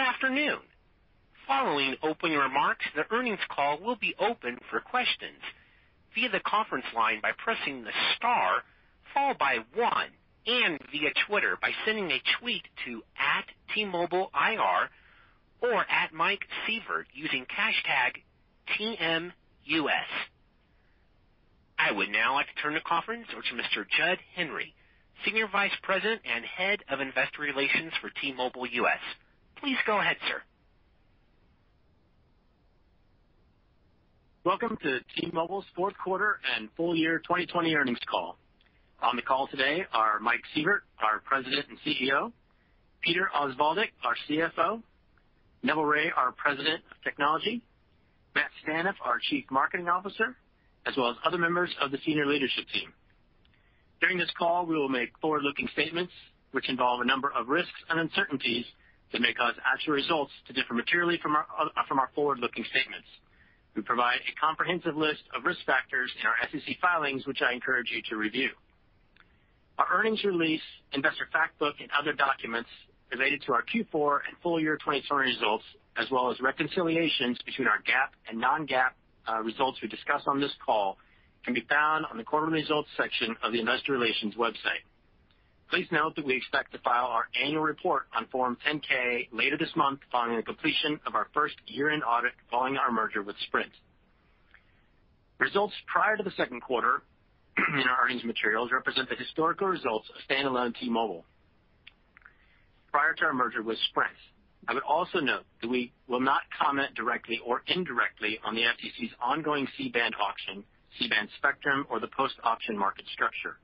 Good afternoon. Following opening remarks, the earnings call will be open for questions via the conference line by pressing the star followed by one, and via Twitter by sending a tweet to @TMobileIR or @MikeSievert using hashtag TMUS. I would now like to turn the conference over to Mr. Jud Henry, Senior Vice President and Head of Investor Relations for T-Mobile US. Please go ahead, sir. Welcome to T-Mobile's fourth quarter and full year 2020 earnings call. On the call today are Mike Sievert, our President and CEO, Peter Osvaldik, our CFO, Neville Ray, our President of Technology, Matt Staneff, our Chief Marketing Officer, as well as other members of the senior leadership team. During this call, we will make forward-looking statements which involve a number of risks and uncertainties that may cause actual results to differ materially from our forward-looking statements. We provide a comprehensive list of risk factors in our SEC filings, which I encourage you to review. Our earnings release, investor Factbook, and other documents related to our Q4 and full year 2020 results, as well as reconciliations between our GAAP and non-GAAP results we discuss on this call, can be found on the quarterly results section of the investor relations website. Please note that we expect to file our annual report on Form 10-K later this month, following the completion of our first year-end audit following our merger with Sprint. Results prior to the second quarter in our earnings materials represent the historical results of standalone T-Mobile prior to our merger with Sprint. I would also note that we will not comment directly or indirectly on the FCC's ongoing C-band auction, C-band spectrum, or the post-auction market structure.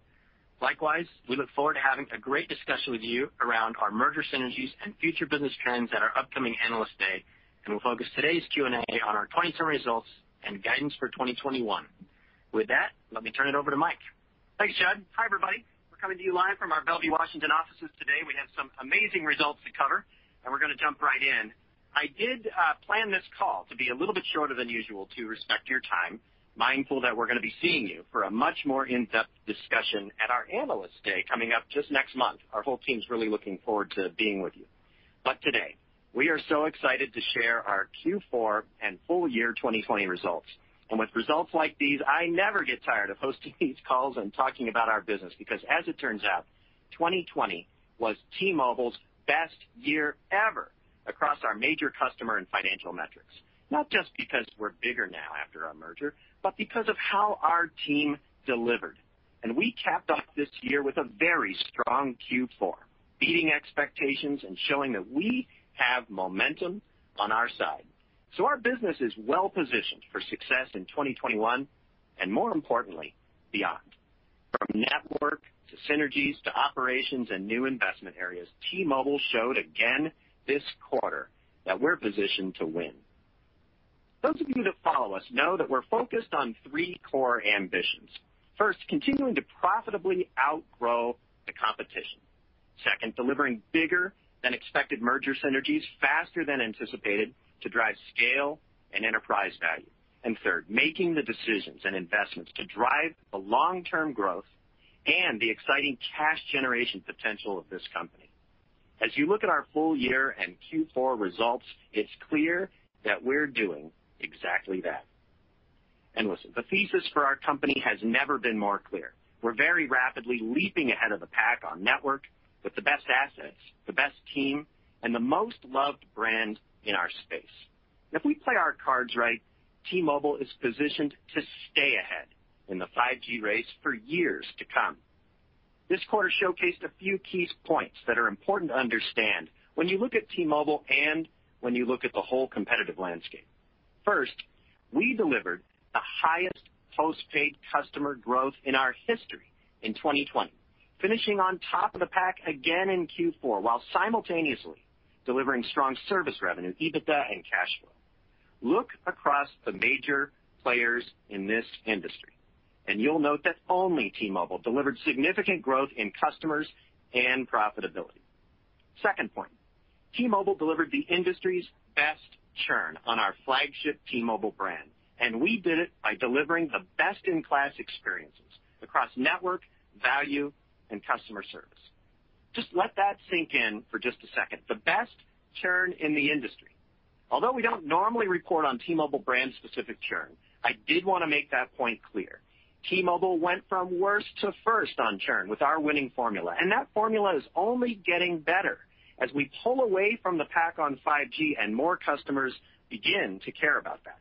Likewise, we look forward to having a great discussion with you around our merger synergies and future business trends at our upcoming Analyst Day, and we'll focus today's Q&A on our 2020 results and guidance for 2021. With that, let me turn it over to Mike. Thanks, Jud. Hi, everybody. We're coming to you live from our Bellevue, Washington offices today. We have some amazing results to cover, and we're going to jump right in. I did plan this call to be a little bit shorter than usual to respect your time, mindful that we're going to be seeing you for a much more in-depth discussion at our Analyst Day coming up just next month. Our whole team's really looking forward to being with you. Today we are so excited to share our Q4 and full year 2020 results. With results like these, I never get tired of hosting these calls and talking about our business, because as it turns out, 2020 was T-Mobile's best year ever across our major customer and financial metrics. Not just because we're bigger now after our merger, but because of how our team delivered. We capped off this year with a very strong Q4, beating expectations and showing that we have momentum on our side. Our business is well-positioned for success in 2021 and more importantly, beyond. From network to synergies to operations and new investment areas, T-Mobile showed again this quarter that we're positioned to win. Those of you that follow us know that we're focused on three core ambitions. First, continuing to profitably outgrow the competition. Second, delivering bigger than expected merger synergies faster than anticipated to drive scale and enterprise value. Third, making the decisions and investments to drive the long-term growth and the exciting cash generation potential of this company. As you look at our full year and Q4 results, it's clear that we're doing exactly that. Listen, the thesis for our company has never been more clear. We're very rapidly leaping ahead of the pack on network with the best assets, the best team, and the most loved brand in our space. If we play our cards right, T-Mobile is positioned to stay ahead in the 5G race for years to come. This quarter showcased a few key points that are important to understand when you look at T-Mobile and when you look at the whole competitive landscape. First, we delivered the highest postpaid customer growth in our history in 2020, finishing on top of the pack again in Q4, while simultaneously delivering strong service revenue, EBITDA, and cash flow. Look across the major players in this industry, and you'll note that only T-Mobile delivered significant growth in customers and profitability. Second point, T-Mobile delivered the industry's best churn on our flagship T-Mobile brand, and we did it by delivering the best-in-class experiences across network, value, and customer service. Just let that sink in for just a second. The best churn in the industry. Although we don't normally report on T-Mobile brand specific churn, I did want to make that point clear. T-Mobile went from worst to first on churn with our winning formula, and that formula is only getting better as we pull away from the pack on 5G and more customers begin to care about that.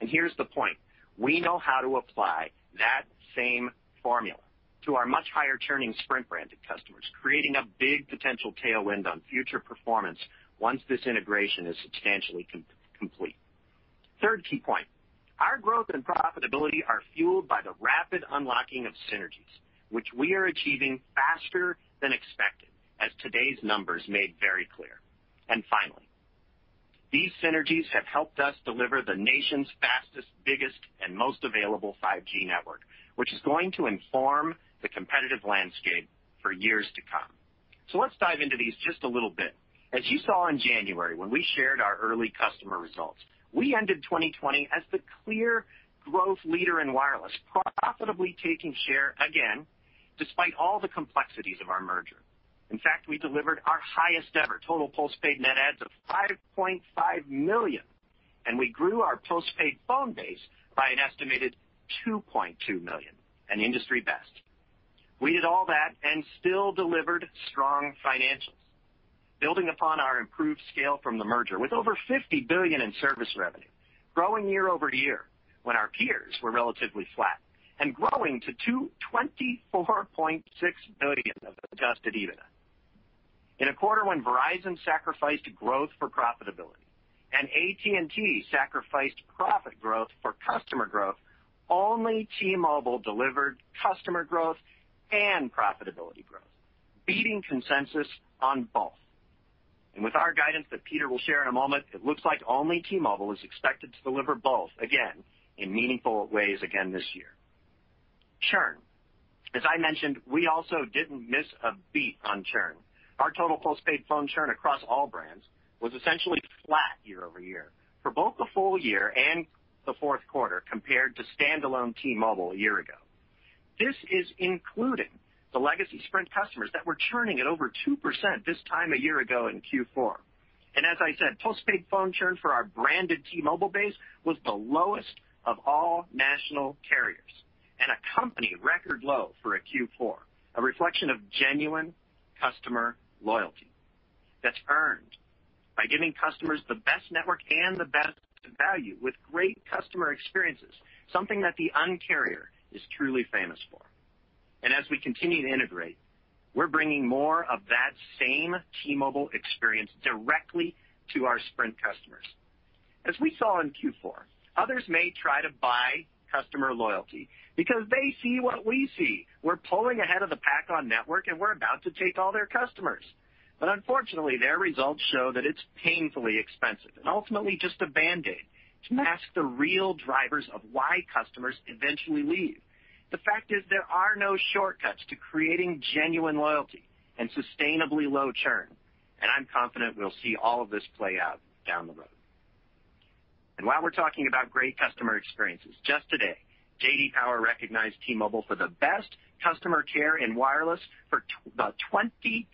Here's the point, we know how to apply that same formula to our much higher churning Sprint-branded customers, creating a big potential tailwind on future performance once this integration is substantially complete. Third key point, our growth and profitability are fueled by the rapid unlocking of synergies, which we are achieving faster than expected, as today's numbers made very clear. Finally, these synergies have helped us deliver the nation's fastest, biggest, and most available 5G network, which is going to inform the competitive landscape for years to come. Let's dive into these just a little bit. As you saw in January when we shared our early customer results, we ended 2020 as the clear growth leader in wireless, profitably taking share again, despite all the complexities of our merger. In fact, we delivered our highest-ever total postpaid net adds of 5.5 million, and we grew our postpaid phone base by an estimated 2.2 million, an industry best. We did all that. Still delivered strong financials, building upon our improved scale from the merger with over $50 billion in service revenue, growing year-over-year when our peers were relatively flat, and growing to $24.6 billion of adjusted EBITDA. In a quarter when Verizon sacrificed growth for profitability and AT&T sacrificed profit growth for customer growth, only T-Mobile delivered customer growth and profitability growth, beating consensus on both. With our guidance that Peter will share in a moment, it looks like only T-Mobile is expected to deliver both again in meaningful ways again this year. Churn. As I mentioned, we also didn't miss a beat on churn. Our total postpaid phone churn across all brands was essentially flat year-over-year for both the full year and the fourth quarter compared to standalone T-Mobile one year ago. This is including the legacy Sprint customers that were churning at over 2% this time a year ago in Q4. As I said, postpaid phone churn for our branded T-Mobile base was the lowest of all national carriers and a company record low for a Q4, a reflection of genuine customer loyalty that's earned by giving customers the best network and the best value with great customer experiences, something that the Un-carrier is truly famous for. As we continue to integrate, we're bringing more of that same T-Mobile experience directly to our Sprint customers. As we saw in Q4, others may try to buy customer loyalty because they see what we see. We're pulling ahead of the pack on network, and we're about to take all their customers. Unfortunately, their results show that it's painfully expensive and ultimately just a Band-Aid to mask the real drivers of why customers eventually leave. The fact is, there are no shortcuts to creating genuine loyalty and sustainably low churn, and I'm confident we'll see all of this play out down the road. While we're talking about great customer experiences, just today, J.D. Power recognized T-Mobile for the best customer care in wireless for the 21st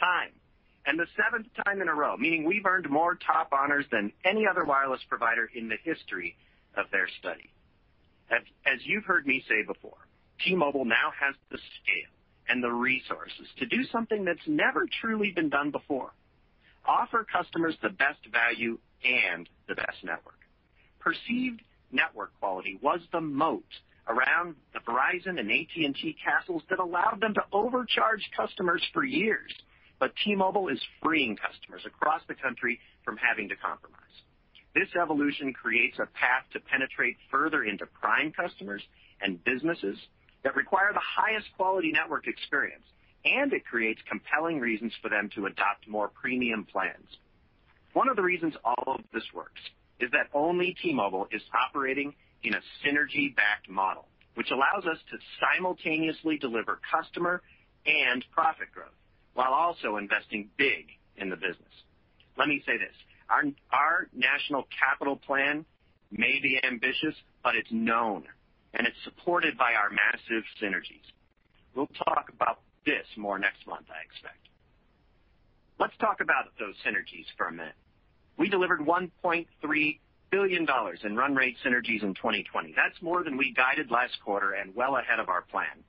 time and the seventh time in a row, meaning we've earned more top honors than any other wireless provider in the history of their study. As you've heard me say before, T-Mobile now has the scale and the resources to do something that's never truly been done before: offer customers the best value and the best network. Perceived network quality was the moat around the Verizon and AT&T castles that allowed them to overcharge customers for years. T-Mobile is freeing customers across the country from having to compromise. This evolution creates a path to penetrate further into prime customers and businesses that require the highest quality network experience, and it creates compelling reasons for them to adopt more premium plans. One of the reasons all of this works is that only T-Mobile is operating in a synergy-backed model, which allows us to simultaneously deliver customer and profit growth while also investing big in the business. Let me say this. Our national capital plan may be ambitious, but it's known, and it's supported by our massive synergies. We'll talk about this more next month, I expect. Let's talk about those synergies for a minute. We delivered $1.3 billion in run rate synergies in 2020. That's more than we guided last quarter and well ahead of our plan.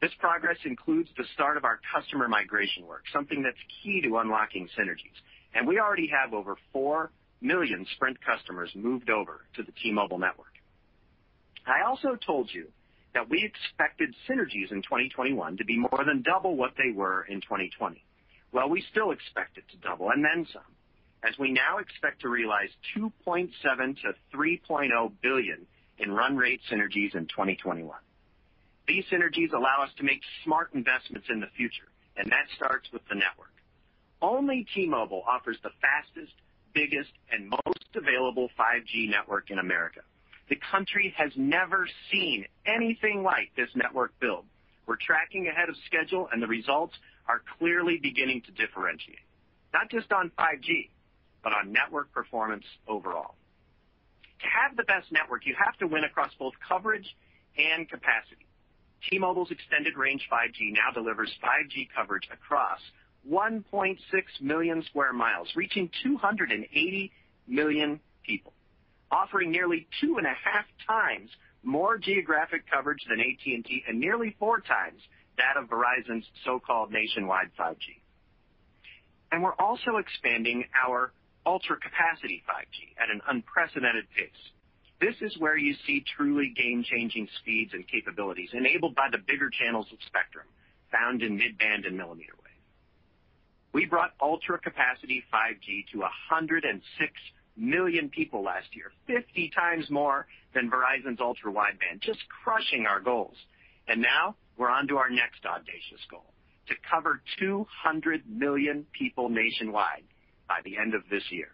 This progress includes the start of our customer migration work, something that's key to unlocking synergies. We already have over 4 million Sprint customers moved over to the T-Mobile network. I also told you that we expected synergies in 2021 to be more than double what they were in 2020. Well, we still expect it to double and then some, as we now expect to realize $2.7 billion-$3.0 billion in run rate synergies in 2021. These synergies allow us to make smart investments in the future, and that starts with the network. Only T-Mobile offers the fastest, biggest, and most available 5G network in America. The country has never seen anything like this network build. We're tracking ahead of schedule, and the results are clearly beginning to differentiate, not just on 5G, but on network performance overall. To have the best network, you have to win across both coverage and capacity. T-Mobile's Extended Range 5G now delivers 5G coverage across 1.6 million square miles, reaching 280 million people, offering nearly 2.5x more geographic coverage than AT&T and nearly four times that of Verizon's so-called nationwide 5G. We're also expanding our Ultra Capacity 5G at an unprecedented pace. This is where you see truly game-changing speeds and capabilities enabled by the bigger channels of spectrum found in mid-band and millimeter waves. We brought Ultra Capacity 5G to 106 million people last year, 50 times more than Verizon's Ultra Wideband, just crushing our goals. Now we're on to our next audacious goal: to cover 200 million people nationwide by the end of this year.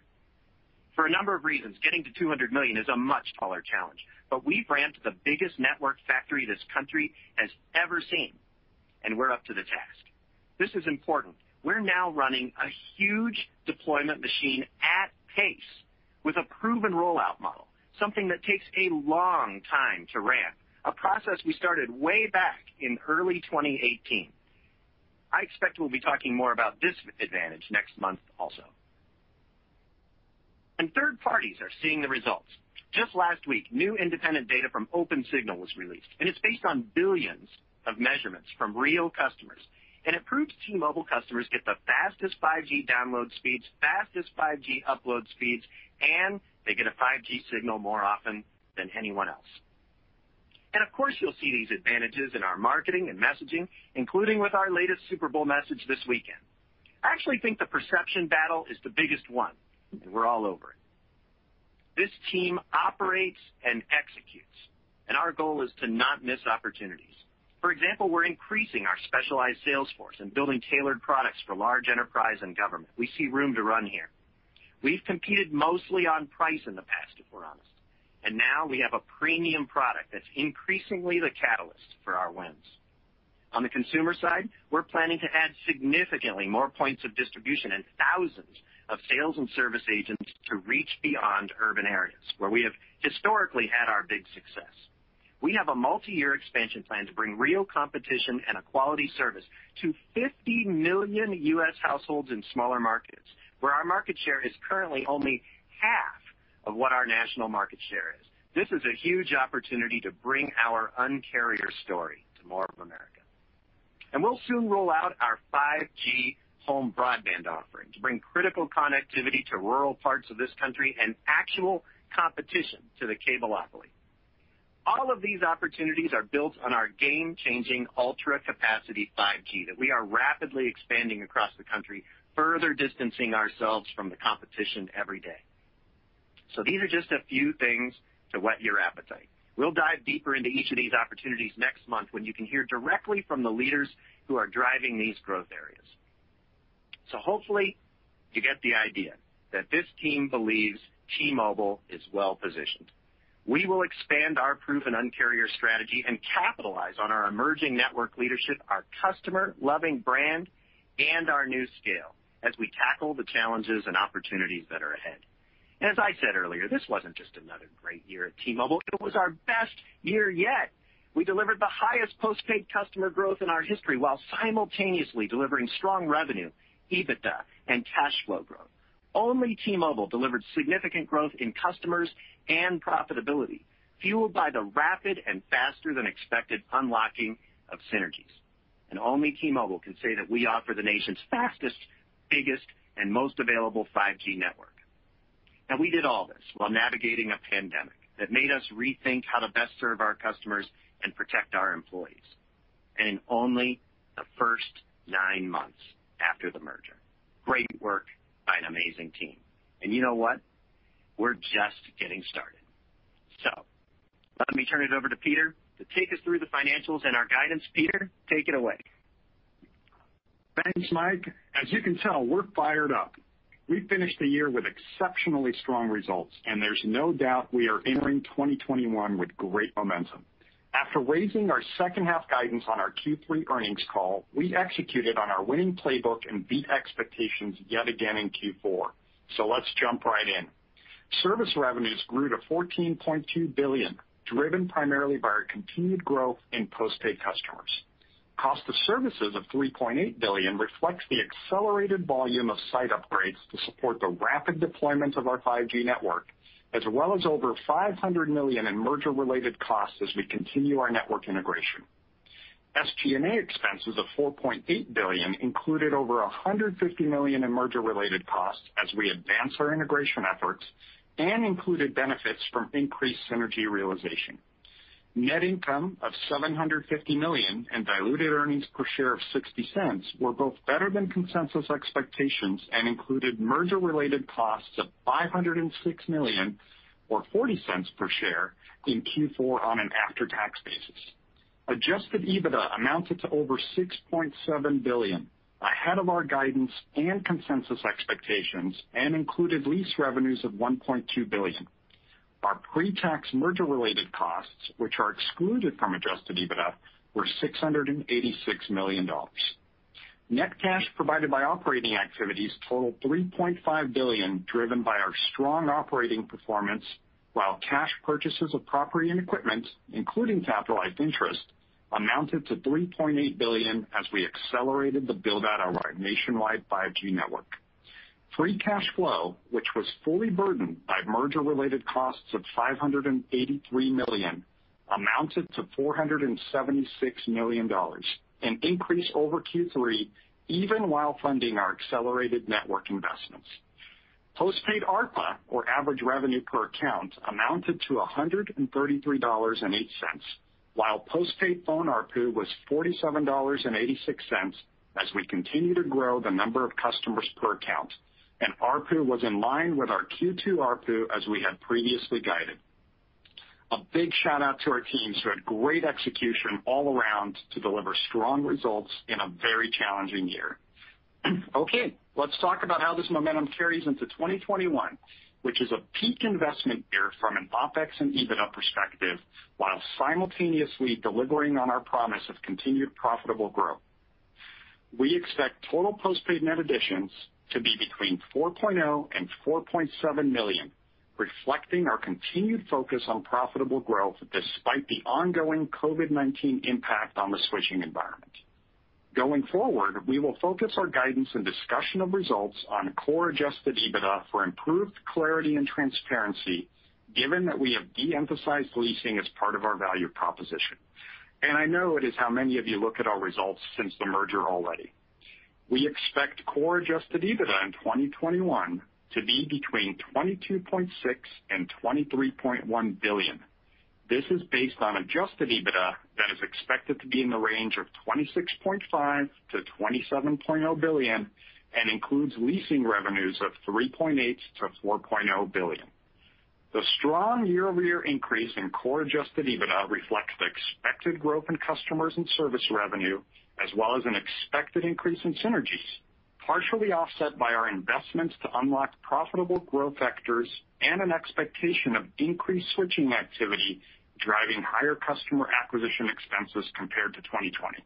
For a number of reasons, getting to 200 million is a much taller challenge. We've ramped the biggest network factory this country has ever seen, and we're up to the task. This is important. We're now running a huge deployment machine at pace with a proven rollout model, something that takes a long time to ramp, a process we started way back in early 2018. I expect we'll be talking more about this advantage next month also. Third parties are seeing the results. Just last week, new independent data from Opensignal was released, and it's based on billions of measurements from real customers. It proves T-Mobile customers get the fastest 5G download speeds, fastest 5G upload speeds, and they get a 5G signal more often than anyone else. Of course, you'll see these advantages in our marketing and messaging, including with our latest Super Bowl message this weekend. I actually think the perception battle is the biggest one, and we're all over it. This team operates and executes, and our goal is to not miss opportunities. For example, we're increasing our specialized sales force and building tailored products for large enterprise and government. We see room to run here. We've competed mostly on price in the past, if we're honest, and now we have a premium product that's increasingly the catalyst for our wins. On the consumer side, we're planning to add significantly more points of distribution and thousands of sales and service agents to reach beyond urban areas where we have historically had our big success. We have a multi-year expansion plan to bring real competition and a quality service to 50 million U.S. households in smaller markets where our market share is currently only half of what our national market share is. This is a huge opportunity to bring our Un-carrier story to more of America. We'll soon roll out our 5G home broadband offering to bring critical connectivity to rural parts of this country and actual competition to the Cableopoly. All of these opportunities are built on our game-changing Ultra Capacity 5G that we are rapidly expanding across the country, further distancing ourselves from the competition every day. These are just a few things to whet your appetite. We'll dive deeper into each of these opportunities next month when you can hear directly from the leaders who are driving these growth areas. Hopefully you get the idea that this team believes T-Mobile is well-positioned. We will expand our proven Un-carrier strategy and capitalize on our emerging network leadership, our customer-loving brand, and our new scale as we tackle the challenges and opportunities that are ahead. As I said earlier, this wasn't just another great year at T-Mobile, it was our best year yet. We delivered the highest postpaid customer growth in our history while simultaneously delivering strong revenue, EBITDA, and cash flow growth. Only T-Mobile delivered significant growth in customers and profitability, fueled by the rapid and faster-than-expected unlocking of synergies. Only T-Mobile can say that we offer the nation's fastest, biggest, and most available 5G network. We did all this while navigating a pandemic that made us rethink how to best serve our customers and protect our employees, and in only the first nine months after the merger. Great work by an amazing team. You know what? We're just getting started. Let me turn it over to Peter to take us through the financials and our guidance. Peter, take it away. Thanks, Mike. As you can tell, we're fired up. We finished the year with exceptionally strong results, and there's no doubt we are entering 2021 with great momentum. After raising our second-half guidance on our Q3 earnings call, we executed on our winning playbook and beat expectations yet again in Q4. Let's jump right in. Service revenues grew to $14.2 billion, driven primarily by our continued growth in postpaid customers. Cost of services of $3.8 billion reflects the accelerated volume of site upgrades to support the rapid deployment of our 5G network, as well as over $500 million in merger-related costs as we continue our network integration. SG&A expenses of $4.8 billion included over $150 million in merger-related costs as we advance our integration efforts and included benefits from increased synergy realization. Net income of $750 million and diluted earnings per share of $0.60 were both better than consensus expectations and included merger-related costs of $506 million, or $0.40 per share in Q4 on an after-tax basis. Adjusted EBITDA amounted to over $6.7 billion, ahead of our guidance and consensus expectations, and included lease revenues of $1.2 billion. Our pre-tax merger-related costs, which are excluded from adjusted EBITDA, were $686 million. Net cash provided by operating activities totaled $3.5 billion, driven by our strong operating performance, while cash purchases of property and equipment, including capitalized interest, amounted to $3.8 billion as we accelerated the build-out of our nationwide 5G network. Free cash flow, which was fully burdened by merger-related costs of $583 million, amounted to $476 million, an increase over Q3 even while funding our accelerated network investments. Postpaid ARPA, or average revenue per account, amounted to $133.08, while postpaid phone ARPU was $47.86 as we continue to grow the number of customers per account, and ARPU was in line with our Q2 ARPU as we had previously guided. A big shout-out to our teams for great execution all around to deliver strong results in a very challenging year. Okay, let's talk about how this momentum carries into 2021, which is a peak investment year from an OpEx and EBITDA perspective, while simultaneously delivering on our promise of continued profitable growth. We expect total postpaid net additions to be between $4.0 million and $4.7 million, reflecting our continued focus on profitable growth despite the ongoing COVID-19 impact on the switching environment. Going forward, we will focus our guidance and discussion of results on core adjusted EBITDA for improved clarity and transparency, given that we have de-emphasized leasing as part of our value proposition. I know it is how many of you look at our results since the merger already. We expect core adjusted EBITDA in 2021 to be between $22.6 billion and $23.1 billion. This is based on adjusted EBITDA that is expected to be in the range of $26.5 billion to $27.0 billion and includes leasing revenues of $3.8 billion to $4.0 billion. The strong year-over-year increase in core adjusted EBITDA reflects the expected growth in customers and service revenue, as well as an expected increase in synergies, partially offset by our investments to unlock profitable growth vectors and an expectation of increased switching activity, driving higher customer acquisition expenses compared to 2020.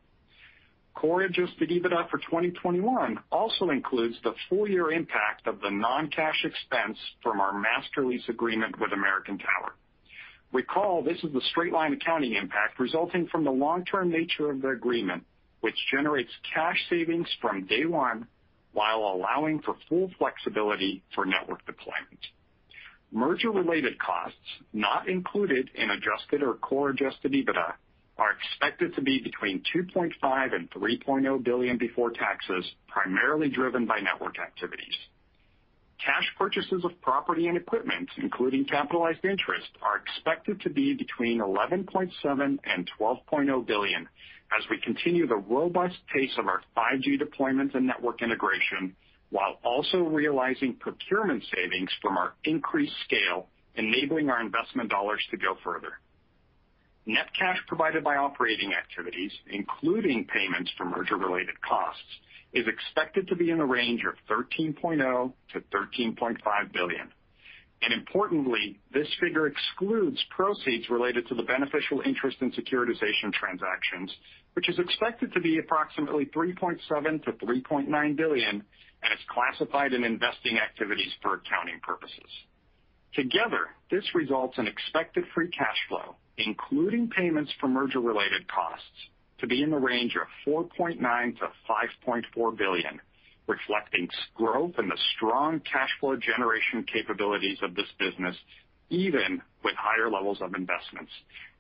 Core adjusted EBITDA for 2021 also includes the full-year impact of the non-cash expense from our master lease agreement with American Tower. Recall this is the straight-line accounting impact resulting from the long-term nature of the agreement, which generates cash savings from day one while allowing for full flexibility for network deployment. Merger-related costs, not included in adjusted or core adjusted EBITDA, are expected to be between $2.5 billion and $3.0 billion before taxes, primarily driven by network activities. Cash purchases of property and equipment, including capitalized interest, are expected to be between $11.7 billion and $12.0 billion as we continue the robust pace of our 5G deployment and network integration, while also realizing procurement savings from our increased scale, enabling our investment dollars to go further. Net cash provided by operating activities, including payments for merger-related costs, is expected to be in the range of $13.0 billion-$13.5 billion. Importantly, this figure excludes proceeds related to the beneficial interest in securitization transactions, which is expected to be approximately $3.7 billion-$3.9 billion and is classified in investing activities for accounting purposes. Together, this results in expected free cash flow, including payments for merger-related costs, to be in the range of $4.9 billion-$5.4 billion, reflecting growth in the strong cash flow generation capabilities of this business even with higher levels of investments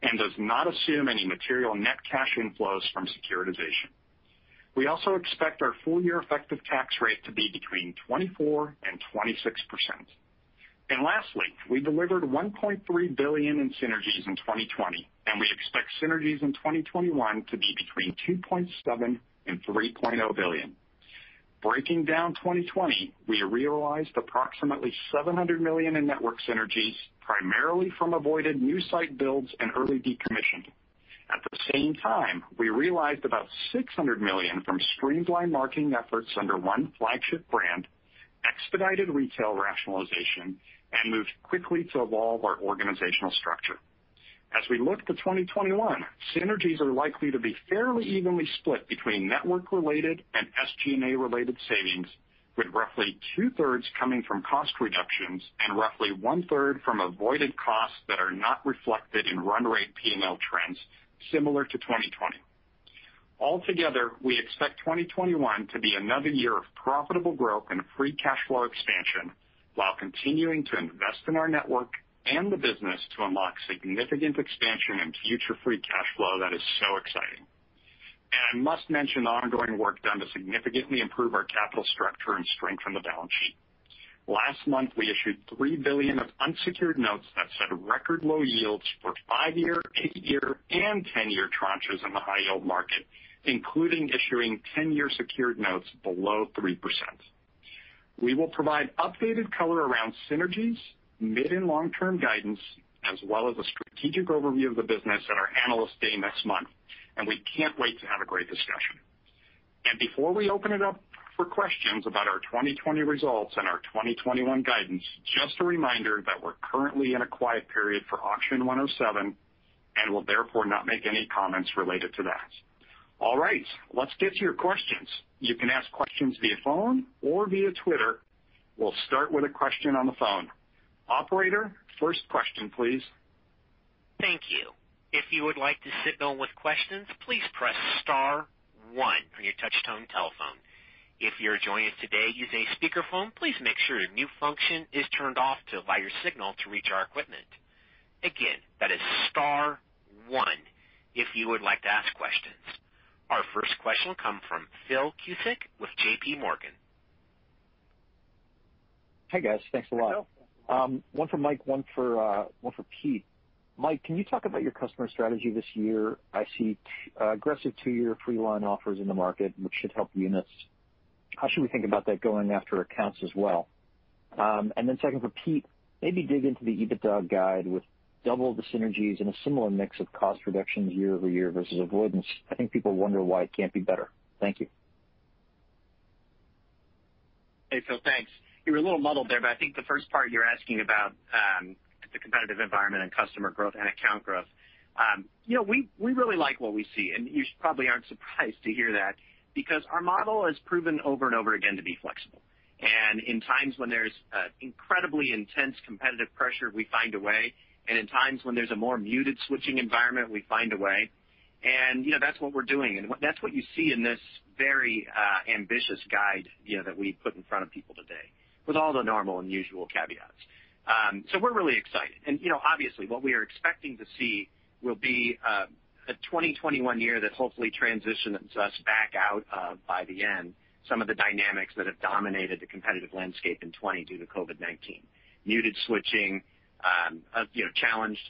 and does not assume any material net cash inflows from securitization. We also expect our full-year effective tax rate to be between 24%-26%. Lastly, we delivered $1.3 billion in synergies in 2020, and we expect synergies in 2021 to be between $2.7 billion-$3.0 billion. Breaking down 2020, we realized approximately $700 million in network synergies, primarily from avoided new site builds and early decommission. At the same time, we realized about $600 million from streamlined marketing efforts under one flagship brand, expedited retail rationalization, and moved quickly to evolve our organizational structure. As we look to 2021, synergies are likely to be fairly evenly split between network-related and SG&A-related savings, with roughly two-thirds coming from cost reductions and roughly one-third from avoided costs that are not reflected in run rate P&L trends, similar to 2020. Altogether, we expect 2021 to be another year of profitable growth and free cash flow expansion while continuing to invest in our network and the business to unlock significant expansion and future free cash flow that is so exciting. I must mention the ongoing work done to significantly improve our capital structure and strengthen the balance sheet. Last month, we issued $3 billion of unsecured notes that set record low yields for five-year, eight-year, and 10-year tranches in the high yield market, including issuing 10-year secured notes below 3%. We will provide updated color around synergies, mid- and long-term guidance, as well as a strategic overview of the business at our Analyst Day next month. We can't wait to have a great discussion. Before we open it up for questions about our 2020 results and our 2021 guidance, just a reminder that we're currently in a quiet period for Auction 107 and will therefore not make any comments related to that. All right. Let's get to your questions. You can ask questions via phone or via Twitter. We'll start with a question on the phone. Operator, first question, please. Thank you. If you would like to signal with questions, please press star one on your touch-tone telephone. If you're joining today using a speakerphone, please make sure your mute function is turned off to allow your signal to reach our equipment. Again, that is star one if you would like to ask questions. Our first question will come from Phil Cusick with JPMorgan. Hi, guys. Thanks a lot. One for Mike, one for Pete. Mike, can you talk about your customer strategy this year? I see aggressive two-year free line offers in the market, which should help units. How should we think about that going after accounts as well? Second for Pete, maybe dig into the EBITDA guide with double the synergies and a similar mix of cost reductions year-over-year versus avoidance. I think people wonder why it can't be better. Thank you. Hey, Phil, thanks. You were a little muddled there, but I think the first part you're asking about the competitive environment and customer growth and account growth. We really like what we see, and you probably aren't surprised to hear that because our model has proven over and over again to be flexible. In times when there's incredibly intense competitive pressure, we find a way, and in times when there's a more muted switching environment, we find a way, and that's what we're doing. That's what you see in this very ambitious guide that we put in front of people today, with all the normal and usual caveats. We're really excited. Obviously, what we are expecting to see will be a 2021 year that hopefully transitions us back out by the end some of the dynamics that have dominated the competitive landscape in 2020 due to COVID-19. Muted switching, challenged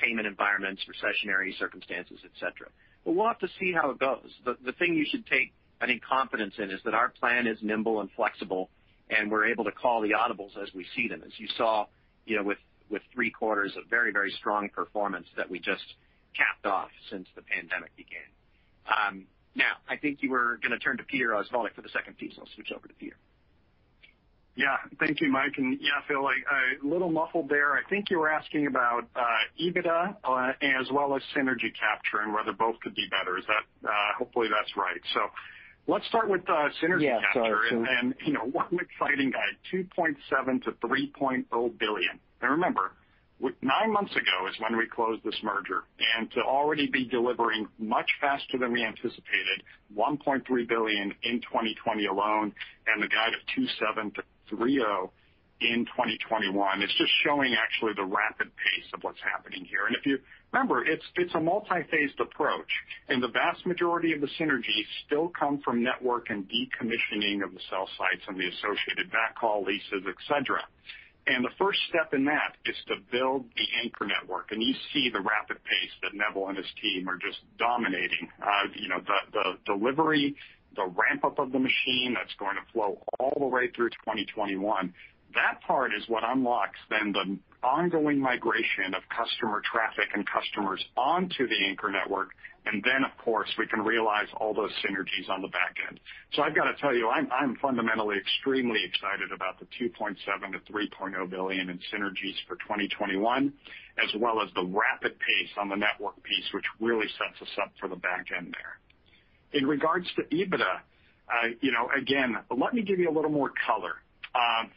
payment environments, recessionary circumstances, et cetera. We'll have to see how it goes. The thing you should take, I think, confidence in is that our plan is nimble and flexible, and we're able to call the audibles as we see them, as you saw with three quarters of very strong performance that we just capped off since the pandemic began. I think you were going to turn to Peter Osvaldik for the second piece, I'll switch over to Peter. Yeah. Thank you, Mike. Yeah, Phil, a little muffled there. I think you were asking about EBITDA as well as synergy capture and whether both could be better. Hopefully that's right. Let's start with synergy capture. Yeah. What an exciting guide, $2.7 billion-$3.0 billion. Remember, nine months ago is when we closed this merger, and to already be delivering much faster than we anticipated, $1.3 billion in 2020 alone and a guide of $2.7 billion-$3.0 billion in 2021, is just showing actually the rapid pace of what's happening here. If you remember, it's a multi-phased approach, and the vast majority of the synergies still come from network and decommissioning of the cell sites and the associated backhaul leases, et cetera. The first step in that is to build the anchor network, and you see the rapid pace that Neville and his team are just dominating. The delivery, the ramp-up of the machine that's going to flow all the way through 2021. That part is what unlocks then the ongoing migration of customer traffic and customers onto the anchor network, and then, of course, we can realize all those synergies on the back end. I've got to tell you, I'm fundamentally extremely excited about the $2.7 billion-$3.0 billion in synergies for 2021, as well as the rapid pace on the network piece, which really sets us up for the back end there. In regards to EBITDA, again, let me give you a little more color.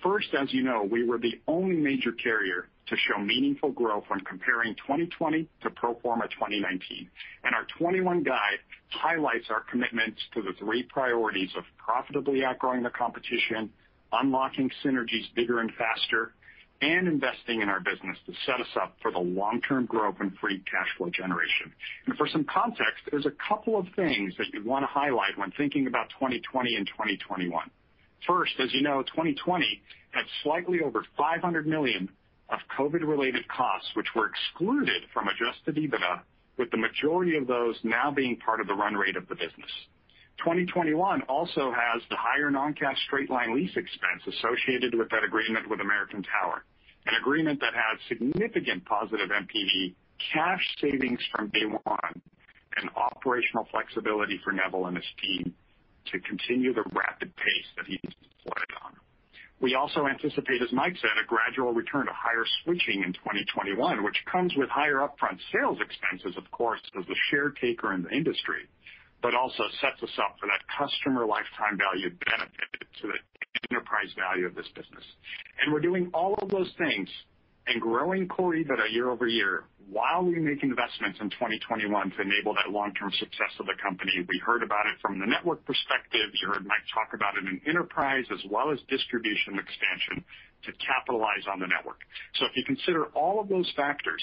First, as you know, we were the only major carrier to show meaningful growth when comparing 2020 to pro forma 2019. Our 2021 guide highlights our commitments to the three priorities of profitably outgrowing the competition, unlocking synergies bigger and faster, and investing in our business to set us up for the long-term growth and free cash flow generation. For some context, there's a couple of things that you want to highlight when thinking about 2020 and 2021. First, as you know, 2020 had slightly over $500 million of COVID-related costs, which were excluded from adjusted EBITDA, with the majority of those now being part of the run rate of the business. 2021 also has the higher non-cash straight-line lease expense associated with that agreement with American Tower, an agreement that has significant positive NPV cash savings from day one and operational flexibility for Neville and his team to continue the rapid pace that he's deployed on. We also anticipate, as Mike said, a gradual return to higher switching in 2021, which comes with higher upfront sales expenses, of course, as the share taker in the industry, but also sets us up for that customer lifetime value benefit to the enterprise value of this business. We're doing all of those things and growing core EBITDA year-over-year while we make investments in 2021 to enable that long-term success of the company. We heard about it from the network perspective. You heard Mike talk about it in enterprise as well as distribution expansion to capitalize on the network. If you consider all of those factors,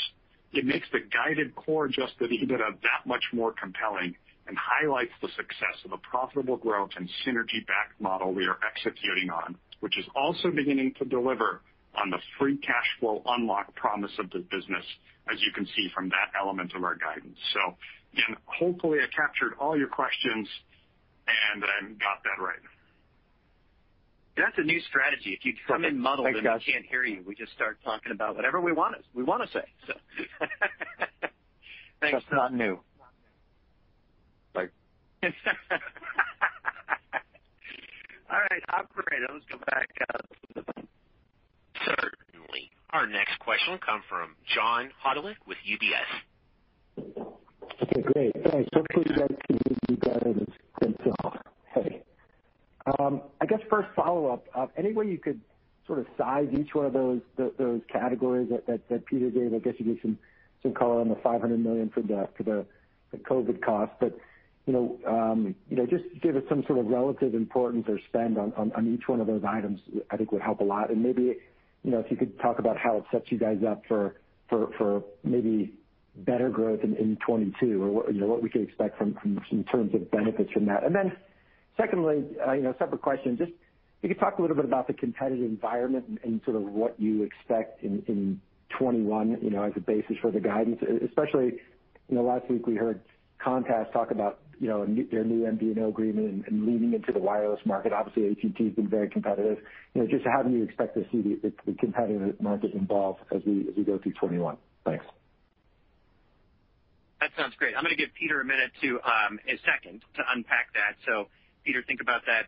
it makes the guided core adjusted EBITDA that much more compelling and highlights the success of a profitable growth and synergy-backed model we are executing on, which is also beginning to deliver on the free cash flow unlock promise of the business, as you can see from that element of our guidance. Again, hopefully I captured all your questions and that I got that right. That's a new strategy. If you come in muddled. Thanks, guys. We can't hear you, we just start talking about whatever we want to say. Thanks. That's not new. Bye. All right, operator, let's go back to the phone. Certainly. Our next question will come from John Hodulik with UBS. Okay, great. Thanks. Hopefully you guys can hear me as I go on. Hey. I guess first follow-up, any way you could sort of size each one of those categories that Peter gave? I guess you gave some color on the $500 million for the COVID cost, but just to give us some sort of relative importance or spend on each one of those items I think would help a lot. Maybe if you could talk about how it sets you guys up for maybe better growth in 2022, or what we could expect in terms of benefits from that. Secondly, separate question, just If you could talk a little bit about the competitive environment and sort of what you expect in 2021 as a basis for the guidance, especially last week we heard Comcast talk about their new MVNO agreement and leaning into the wireless market. Obviously, AT&T has been very competitive. Just how do you expect to see the competitive market evolve as we go through 2021? Thanks. That sounds great. I'm going to give Peter a minute to, a second, to unpack that. Peter, think about that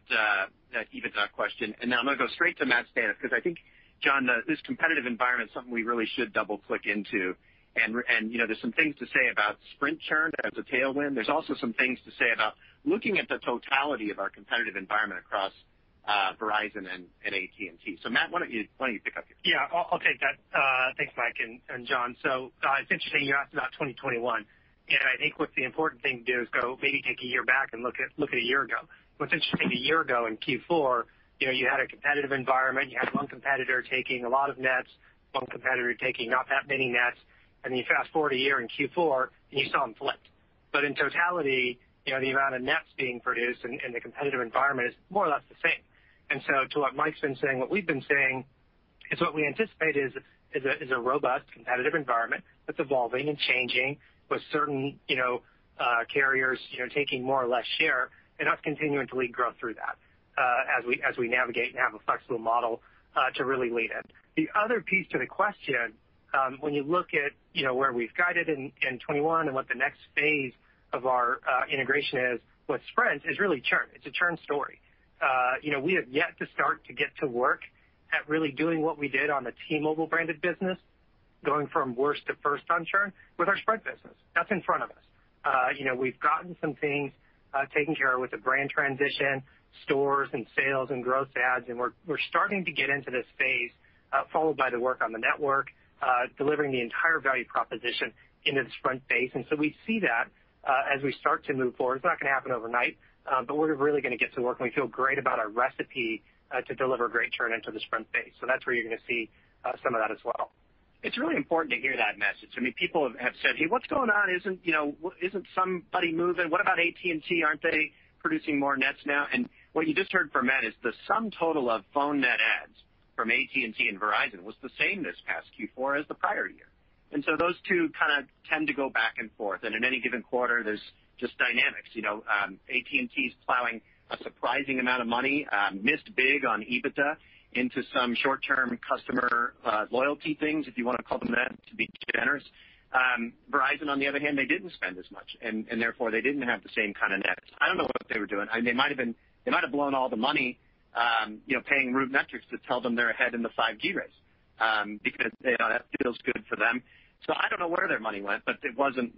EBITDA question. Now I'm going to go straight to Matt Staneff, because I think, John, this competitive environment is something we really should double-click into. There's some things to say about Sprint churn as a tailwind. There's also some things to say about looking at the totality of our competitive environment across Verizon and AT&T. Matt, why don't you pick up here? Yeah, I'll take that. Thanks, Mike and John. It's interesting you ask about 2021, and I think what the important thing to do is go maybe take a year back and look at a year ago. What's interesting a year ago in Q4, you had a competitive environment. You had one competitor taking a lot of nets, one competitor taking not that many nets, and you fast-forward a year in Q4, and you saw them flip. In totality, the amount of nets being produced in the competitive environment is more or less the same. To what Mike's been saying, what we've been saying is what we anticipate is a robust competitive environment that's evolving and changing with certain carriers taking more or less share and us continuing to lead growth through that as we navigate and have a flexible model to really lead it. The other piece to the question, when you look at where we've guided in 2021 and what the next phase of our integration is with Sprint, is really churn. It's a churn story. We have yet to start to get to work at really doing what we did on the T-Mobile branded business, going from worst to first on churn with our Sprint business. That's in front of us. We've gotten some things taken care of with the brand transition, stores and sales and growth adds, and we're starting to get into this phase, followed by the work on the network, delivering the entire value proposition into the Sprint base. We see that as we start to move forward. It's not going to happen overnight, but we're really going to get to work, and we feel great about our recipe to deliver great churn into the Sprint base. That's where you're going to see some of that as well. It's really important to hear that message. People have said, "Hey, what's going on? Isn't somebody moving? What about AT&T? Aren't they producing more nets now?" What you just heard from Matt is the sum total of phone net adds from AT&T and Verizon was the same this past Q4 as the prior year. Those two kind of tend to go back and forth, and in any given quarter, there's just dynamics. AT&T is plowing a surprising amount of money, missed big on EBITDA into some short-term customer loyalty things, if you want to call them that, to be generous. Verizon, on the other hand, they didn't spend as much, and therefore they didn't have the same kind of net adds. I don't know what they were doing. They might have blown all the money paying RootMetrics to tell them they're ahead in the 5G race because that feels good for them. I don't know where their money went, but it wasn't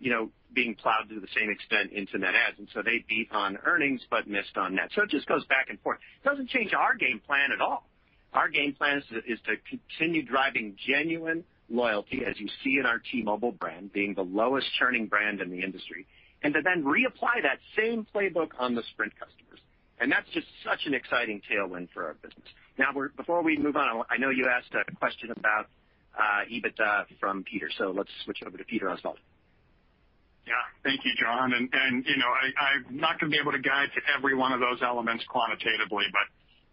being plowed to the same extent into net adds, and so they beat on earnings but missed on nets. It just goes back and forth. It doesn't change our game plan at all. Our game plan is to continue driving genuine loyalty, as you see in our T-Mobile brand being the lowest churning brand in the industry, and to then reapply that same playbook on the Sprint customers. That's just such an exciting tailwind for our business. Now, before we move on, I know you asked a question about EBITDA from Peter, so let's switch over to Peter Osvaldik. Thank you, John. I'm not going to be able to guide to every one of those elements quantitatively, but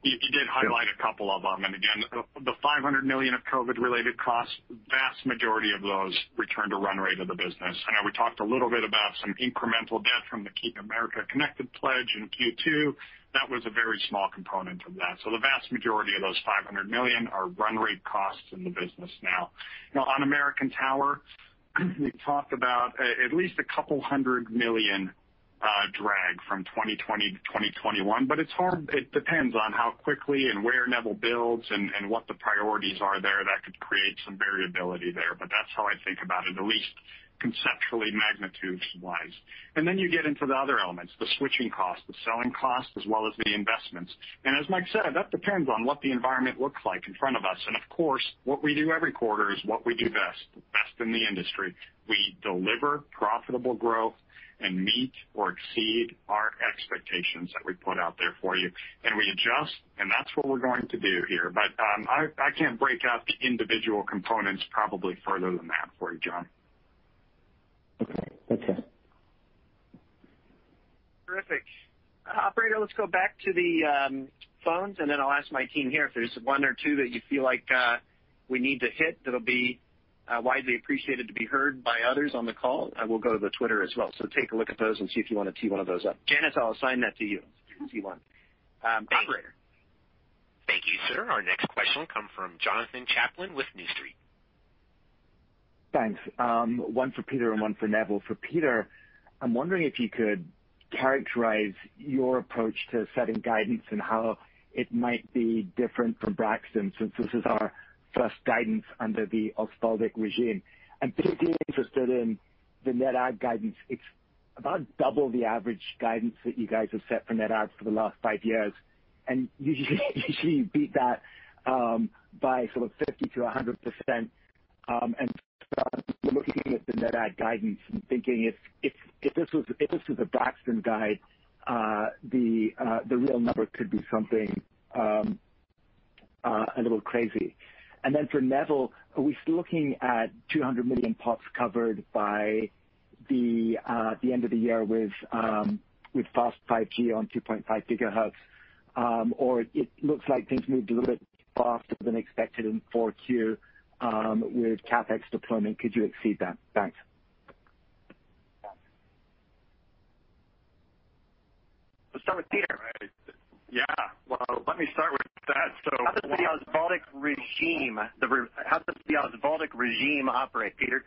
you did highlight a couple of them. Again, the $500 million of COVID-related costs, vast majority of those return to run rate of the business. I know we talked a little bit about some incremental debt from the Keeping America Connected pledge in Q2. That was a very small component of that. The vast majority of those $500 million are run rate costs in the business now. On American Tower, we talked about at least a couple hundred million drag from 2020 to 2021, but it depends on how quickly and where Neville builds and what the priorities are there. That could create some variability there, but that's how I think about it, at least conceptually, magnitude-wise. Then you get into the other elements, the switching costs, the selling costs, as well as the investments. As Mike said, that depends on what the environment looks like in front of us. Of course, what we do every quarter is what we do best, the best in the industry. We deliver profitable growth and meet or exceed our expectations that we put out there for you, and we adjust, and that's what we're going to do here. I can't break out the individual components probably further than that for you, John. Okay, thank you. Terrific. Operator, let's go back to the phones, and then I'll ask my team here if there's one or two that you feel like we need to hit that'll be widely appreciated to be heard by others on the call. I will go to the Twitter as well. Take a look at those and see if you want to tee one of those up. Janice, I'll assign that to you if you see one. Thank you. Operator? Thank you, sir. Our next question will come from Jonathan Chaplin with New Street Research. Thanks. One for Peter and one for Neville. For Peter, I'm wondering if you could characterize your approach to setting guidance and how it might be different from Braxton, since this is our first guidance under the Osvaldik regime. I'm particularly interested in the net add guidance. It's about double the average guidance that you guys have set for net adds for the last five years, and usually you beat that by sort of 50% to 100%. I'm looking at the net add guidance and thinking if this was the Braxton guide, the real number could be something a little crazy. Then for Neville, are we still looking at 200 million pops covered by the end of the year with fast 5G on 2.5 GHz? It looks like things moved a little bit faster than expected in Q4 with CapEx deployment. Could you exceed that? Thanks. Let's start with Peter. Yeah. Well, let me start with that. How does the Osvaldik regime operate, Peter?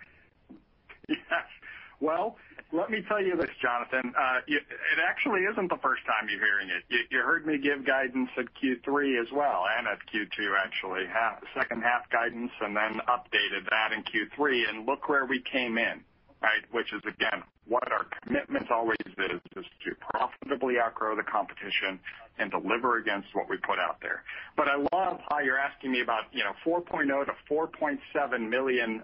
Well, let me tell you this, Jonathan. It actually isn't the first time you're hearing it. You heard me give guidance at Q3 as well, and at Q2 actually, second half guidance, and then updated that in Q3, and look where we came in. Which is, again, what our commitment always is to profitably outgrow the competition and deliver against what we put out there. I love how you're asking me about 4.0 million to 4.7 million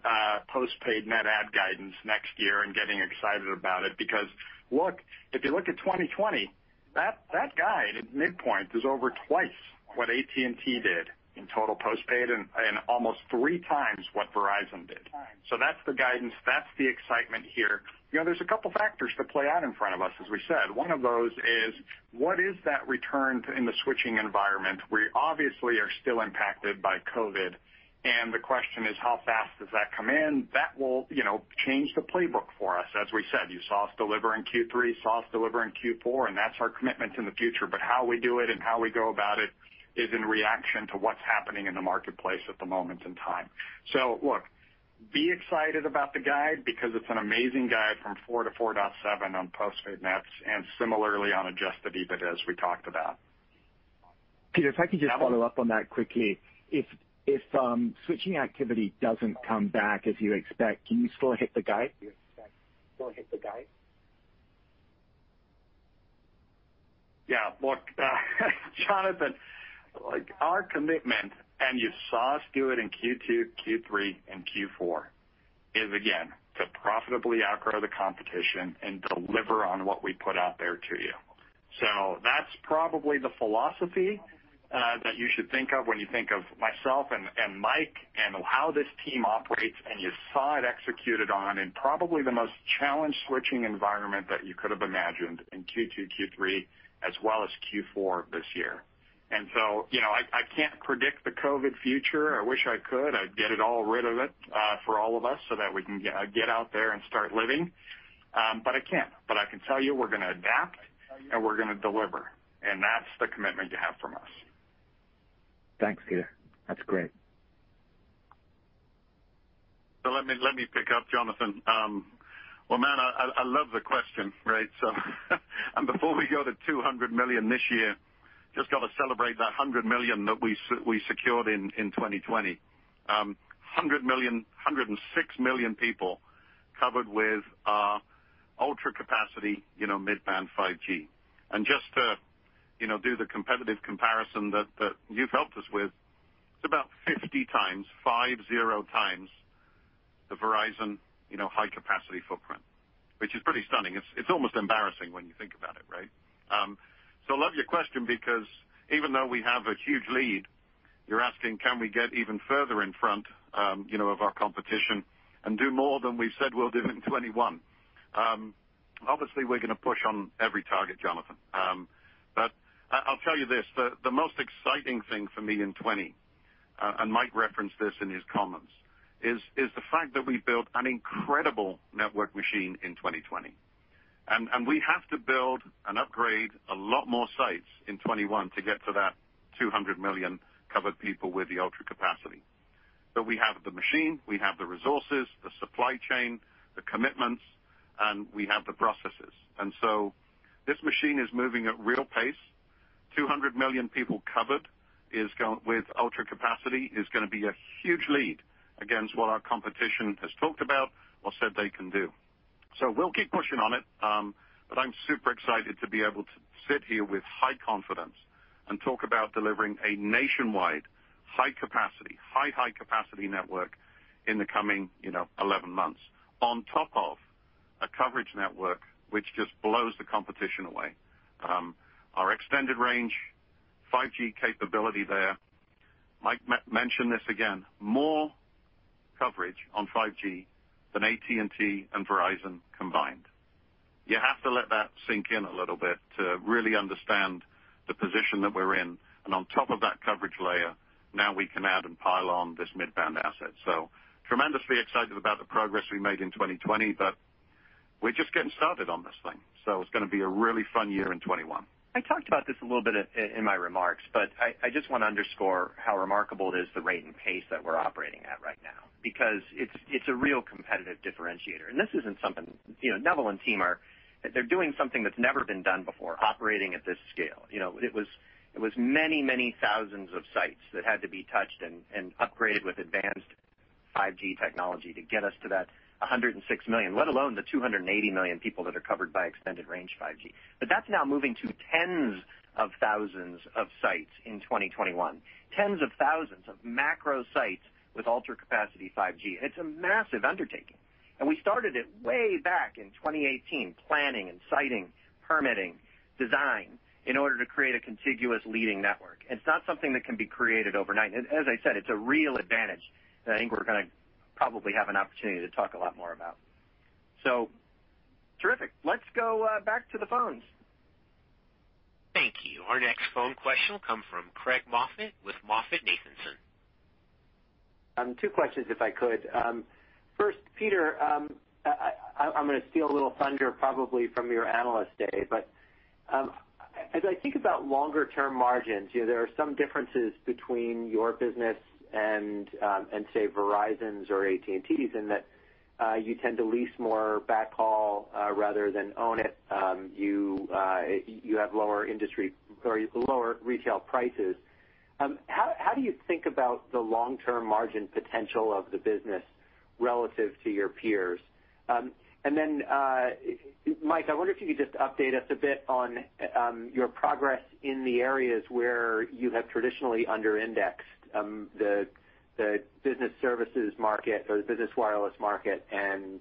postpaid net add guidance next year and getting excited about it, because look, if you look at 2020, that guide at midpoint is over twice what AT&T did in total postpaid and almost three times what Verizon did. That's the guidance, that's the excitement here. There's a couple factors that play out in front of us, as we said. One of those is what is that return in the switching environment? We obviously are still impacted by COVID-19, and the question is, how fast does that come in? That will change the playbook for us. As we said, you saw us deliver in Q3, saw us deliver in Q4 and that's our commitment in the future. How we do it and how we go about it is in reaction to what's happening in the marketplace at the moment in time. Look, be excited about the guide because it's an amazing guide from 4.0 million-4.7 million on postpaid nets and similarly on adjusted EBITDA we talked about. Peter, if I could just follow up on that quickly. If switching activity doesn't come back as you expect, can you still hit the guide? Look, Jonathan, our commitment, and you saw us do it in Q2, Q3, and Q4, is again, to profitably outgrow the competition and deliver on what we put out there to you. That's probably the philosophy that you should think of when you think of myself and Mike and how this team operates, and you saw it executed on in probably the most challenged switching environment that you could've imagined in Q2, Q3, as well as Q4 this year. I can't predict the COVID-19 future. I wish I could. I'd get it all rid of it for all of us so that we can get out there and start living. I can't. I can tell you we're going to adapt and we're going to deliver, and that's the commitment you have from us. Thanks, Peter. That's great. Let me pick up, Jonathan. Well, man, I love the question, right? Before we go to 200 million this year, just got to celebrate that 100 million that we secured in 2020. 106 million people covered with our Ultra Capacity 5G mid-band. Just to do the competitive comparison that you've helped us with, it's about 50x, 50x, the Verizon high capacity footprint, which is pretty stunning. It's almost embarrassing when you think about it. Love your question because even though we have a huge lead, you're asking, can we get even further in front of our competition and do more than we've said we'll do in 2021? Obviously, we're going to push on every target, Jonathan. I'll tell you this, the most exciting thing for me in 2020, and Mike referenced this in his comments, is the fact that we built an incredible network machine in 2020. We have to build and upgrade a lot more sites in 2021 to get to that 200 million covered people with the Ultra Capacity. We have the machine, we have the resources, the supply chain, the commitments, and we have the processes. This machine is moving at real pace. 200 million people covered with Ultra Capacity is going to be a huge lead against what our competition has talked about or said they can do. We'll keep pushing on it, but I'm super excited to be able to sit here with high confidence and talk about delivering a nationwide high capacity network in the coming 11 months on top of a coverage network which just blows the competition away. Our Extended Range 5G capability there, Mike mentioned this again, more coverage on 5G than AT&T and Verizon combined. You have to let that sink in a little bit to really understand the position that we're in, and on top of that coverage layer, now we can add and pile on this mid-band asset. Tremendously excited about the progress we made in 2020, but we're just getting started on this thing. It's going to be a really fun year in 2021. I talked about this a little bit in my remarks, but I just want to underscore how remarkable it is the rate and pace that we're operating at right now, because it's a real competitive differentiator. Neville and team are, they're doing something that's never been done before, operating at this scale. It was many thousands of sites that had to be touched and upgraded with advanced 5G technology to get us to that 106 million, let alone the 280 million people that are covered by Extended Range 5G. That's now moving to tens of thousands of sites in 2021. Tens of thousands of macro sites with Ultra Capacity 5G, and it's a massive undertaking. We started it way back in 2018, planning and siting, permitting, design, in order to create a contiguous leading network. It's not something that can be created overnight. As I said, it's a real advantage that I think we're going to probably have an opportunity to talk a lot more about. Terrific. Let's go back to the phones. Thank you. Our next phone question will come from Craig Moffett with MoffettNathanson. Two questions, if I could. First, Peter, I'm going to steal a little thunder probably from your analyst day, but as I think about longer term margins, there are some differences between your business and, say, Verizon's or AT&T's in that you tend to lease more backhaul rather than own it. You have lower retail prices. How do you think about the long term margin potential of the business relative to your peers? Mike, I wonder if you could just update us a bit on your progress in the areas where you have traditionally under indexed the business services market or the business wireless market and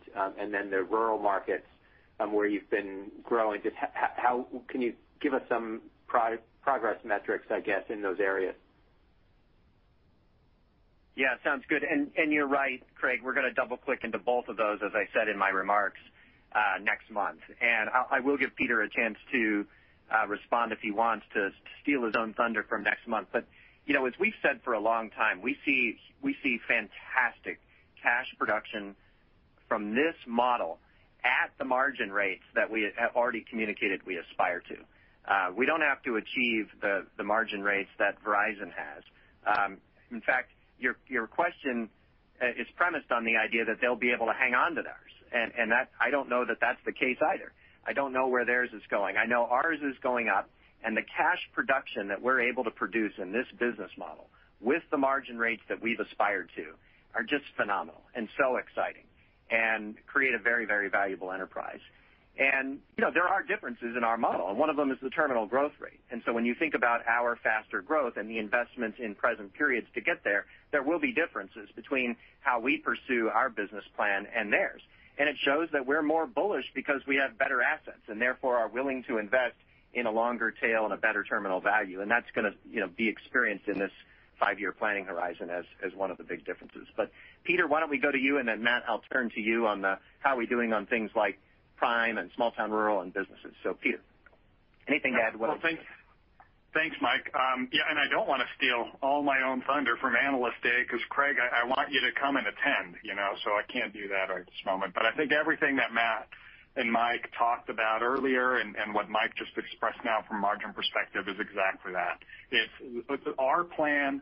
then the rural markets where you've been growing. Can you give us some progress metrics, I guess, in those areas? Yeah, sounds good. You're right, Craig. We're going to double click into both of those, as I said in my remarks next month. I will give Peter a chance to respond if he wants to steal his own thunder from next month. As we've said for a long time, we see fantastic cash production from this model at the margin rates that we have already communicated we aspire to. We don't have to achieve the margin rates that Verizon has. In fact, your question is premised on the idea that they'll be able to hang on to theirs, and I don't know that that's the case either. I don't know where theirs is going. I know ours is going up and the cash production that we're able to produce in this business model with the margin rates that we've aspired to are just phenomenal and so exciting and create a very valuable enterprise. There are differences in our model, and one of them is the terminal growth rate. When you think about our faster growth and the investments in present periods to get there will be differences between how we pursue our business plan and theirs. It shows that we're more bullish because we have better assets and therefore are willing to invest in a longer tail and a better terminal value. That's going to be experienced in this five-year planning horizon as one of the big differences. Peter, why don't we go to you, and then Matt, I'll turn to you on the how we doing on things like prime and small town rural and businesses. Peter, anything to add? Well, thanks, Mike. I don't want to steal all my own thunder from Analyst Day because Craig, I want you to come and attend, so I can't do that at this moment. I think everything that Matt and Mike talked about earlier and what Mike just expressed now from margin perspective is exactly that. Our plan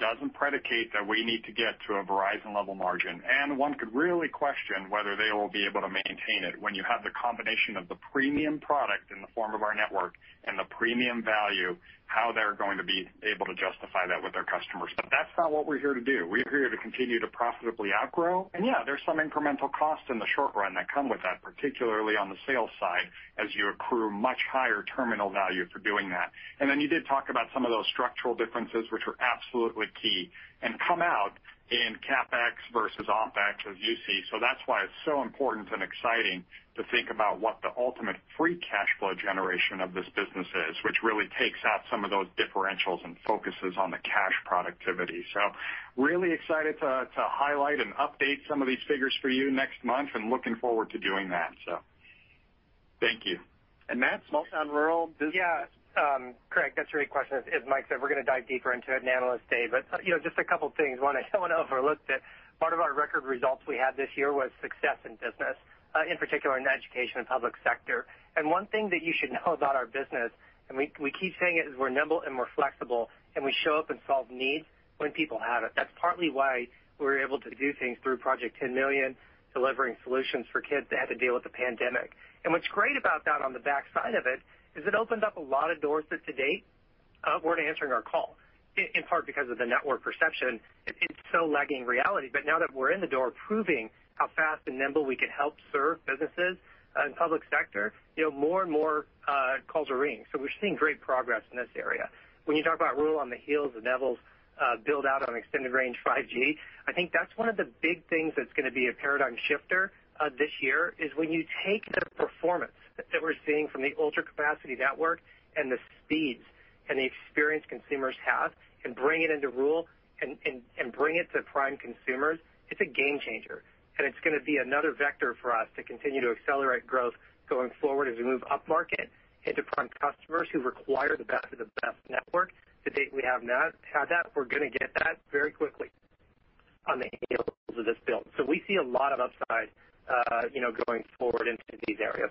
doesn't predicate that we need to get to a Verizon level margin, and one could really question whether they will be able to maintain it. When you have the combination of the premium product in the form of our network and the premium value, how they're going to be able to justify that with their customers. That's not what we're here to do. We're here to continue to profitably outgrow. Yeah, there's some incremental costs in the short run that come with that, particularly on the sales side as you accrue much higher terminal value for doing that. Then you did talk about some of those structural differences, which are absolutely key and come out in CapEx versus OpEx, as you see. That's why it's so important and exciting to think about what the ultimate free cash flow generation of this business is, which really takes out some of those differentials and focuses on the cash productivity. Really excited to highlight and update some of these figures for you next month and looking forward to doing that. Thank you. Matt, small town rural business. Yeah. Craig, that's a great question. As Mike said, we're going to dive deeper into it in Analyst Day. Just a couple of things. One, I don't want to overlook that part of our record results we had this year was success in business, in particular in education and public sector. One thing that you should know about our business, and we keep saying it, is we're nimble and we're flexible, and we show up and solve needs when people have it. That's partly why we were able to do things through Project 10Million, delivering solutions for kids that had to deal with the pandemic. What's great about that on the backside of it is it opened up a lot of doors that to date, weren't answering our call, in part because of the network perception. It's so lagging reality. Now that we're in the door proving how fast and nimble we can help serve businesses and public sector, more and more calls are ringing. We're seeing great progress in this area. When you talk about rural on the heels of Neville's build out on Extended Range 5G, I think that's one of the big things that's going to be a paradigm shifter this year, is when you take the performance that we're seeing from the Ultra Capacity network and the speeds and the experience consumers have and bring it into rural and bring it to prime consumers, it's a game changer. It's going to be another vector for us to continue to accelerate growth going forward as we move upmarket into prime customers who require the best of the best network. To date, we have not had that. We're going to get that very quickly on the heels of this build. We see a lot of upside going forward into these areas.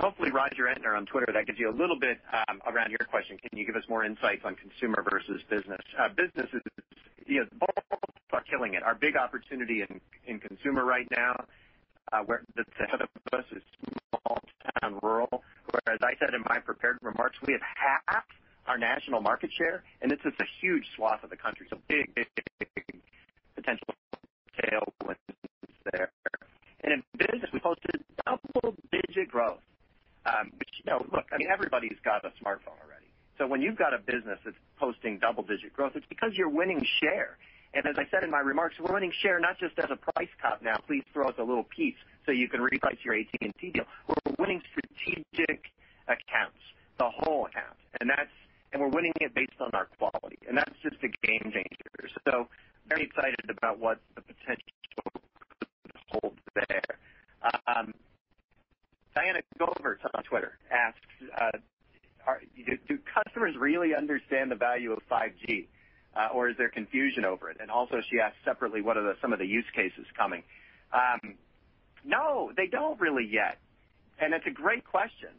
Hopefully, Roger Entner on Twitter, that gives you a little bit around your question. Can you give us more insights on consumer versus business? Businesses, both are killing it. Our big opportunity in consumer right now that's ahead of us is small town rural, where, as I said in my prepared remarks, we have half our national market share, and it's just a huge swath of the country, so big potential tailwind there. In business, we posted double-digit growth. Which, look, everybody's got a smartphone already. When you've got a business that's posting double-digit growth, it's because you're winning share. As I said in my remarks, we're winning share not just as a price cut, now please throw us a little piece so you can reprice your AT&T deal. We're winning strategic accounts, the whole account, and we're winning it based on our quality, and that's just a game changer. Very excited about what the potential holds there. Diana Goovaerts on Twitter asks, do customers really understand the value of 5G, or is there confusion over it? Also she asks separately, what are some of the use cases coming? No, they don't really yet, it's a great question.